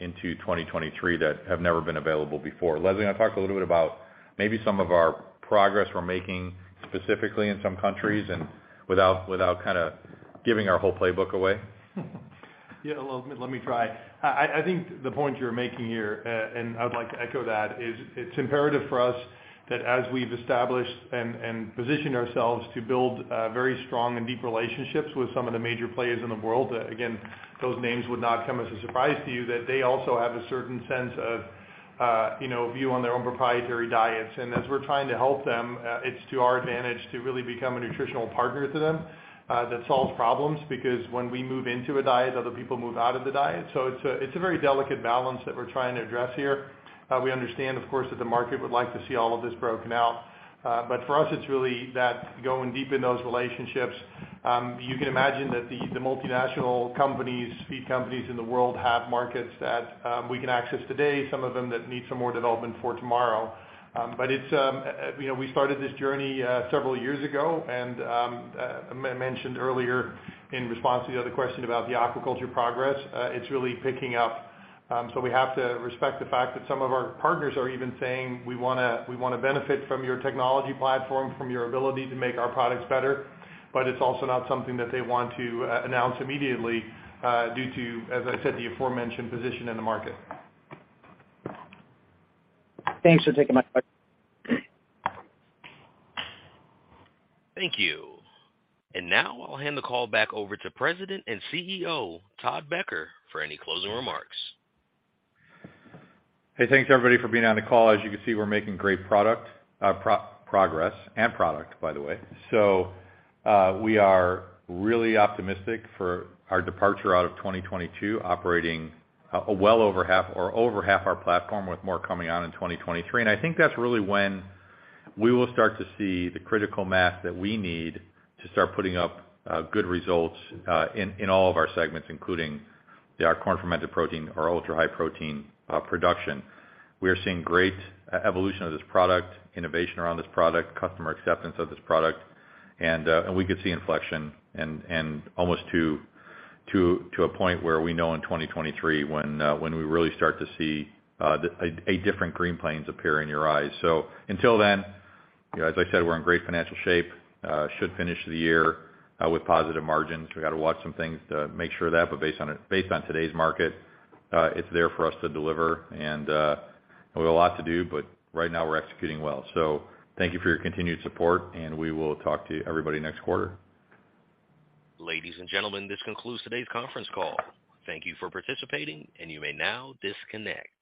into 2023 that have never been available before. Leslie, you wanna talk a little bit about maybe some of our progress we're making specifically in some countries and without kinda giving our whole playbook away? Yeah. Well, let me try. I think the point you're making here, and I would like to echo that, is it's imperative for us that as we've established and positioned ourselves to build very strong and deep relationships with some of the major players in the world, again, those names would not come as a surprise to you, that they also have a certain sense of, you know, view on their own proprietary diets. As we're trying to help them, it's to our advantage to really become a nutritional partner to them that solves problems, because when we move into a diet, other people move out of the diet. It's a very delicate balance that we're trying to address here. We understand, of course, that the market would like to see all of this broken out. For us, it's really that going deep in those relationships. You can imagine that the multinational companies, feed companies in the world have markets that we can access today, some of them that need some more development for tomorrow. It's you know, we started this journey several years ago, and I mentioned earlier in response to the other question about the aquaculture progress, it's really picking up. We have to respect the fact that some of our partners are even saying, "We wanna benefit from your technology platform, from your ability to make our products better." But it's also not something that they want to announce immediately, due to, as I said, the aforementioned position in the market. Thanks for taking my question. Thank you. Now I'll hand the call back over to President and CEO, Todd Becker, for any closing remarks. Hey, thanks everybody for being on the call. As you can see, we're making great progress and product, by the way. We are really optimistic for our performance out of 2022, operating well over half our platform with more coming on in 2023. I think that's really when we will start to see the critical mass that we need to start putting up good results in all of our segments, including our corn fermented protein, our Ultra-High Protein production. We are seeing great evolution of this product, innovation around this product, customer acceptance of this product, and we could see inflection and almost to a point where we know in 2023 when we really start to see a different Green Plains appear in your eyes. Until then, you know, as I said, we're in great financial shape, should finish the year with positive margins. We gotta watch some things to make sure of that, but based on today's market, it's there for us to deliver. We have a lot to do, but right now we're executing well. Thank you for your continued support, and we will talk to everybody next quarter. Ladies and gentlemen, this concludes today's conference call. Thank you for participating, and you may now disconnect.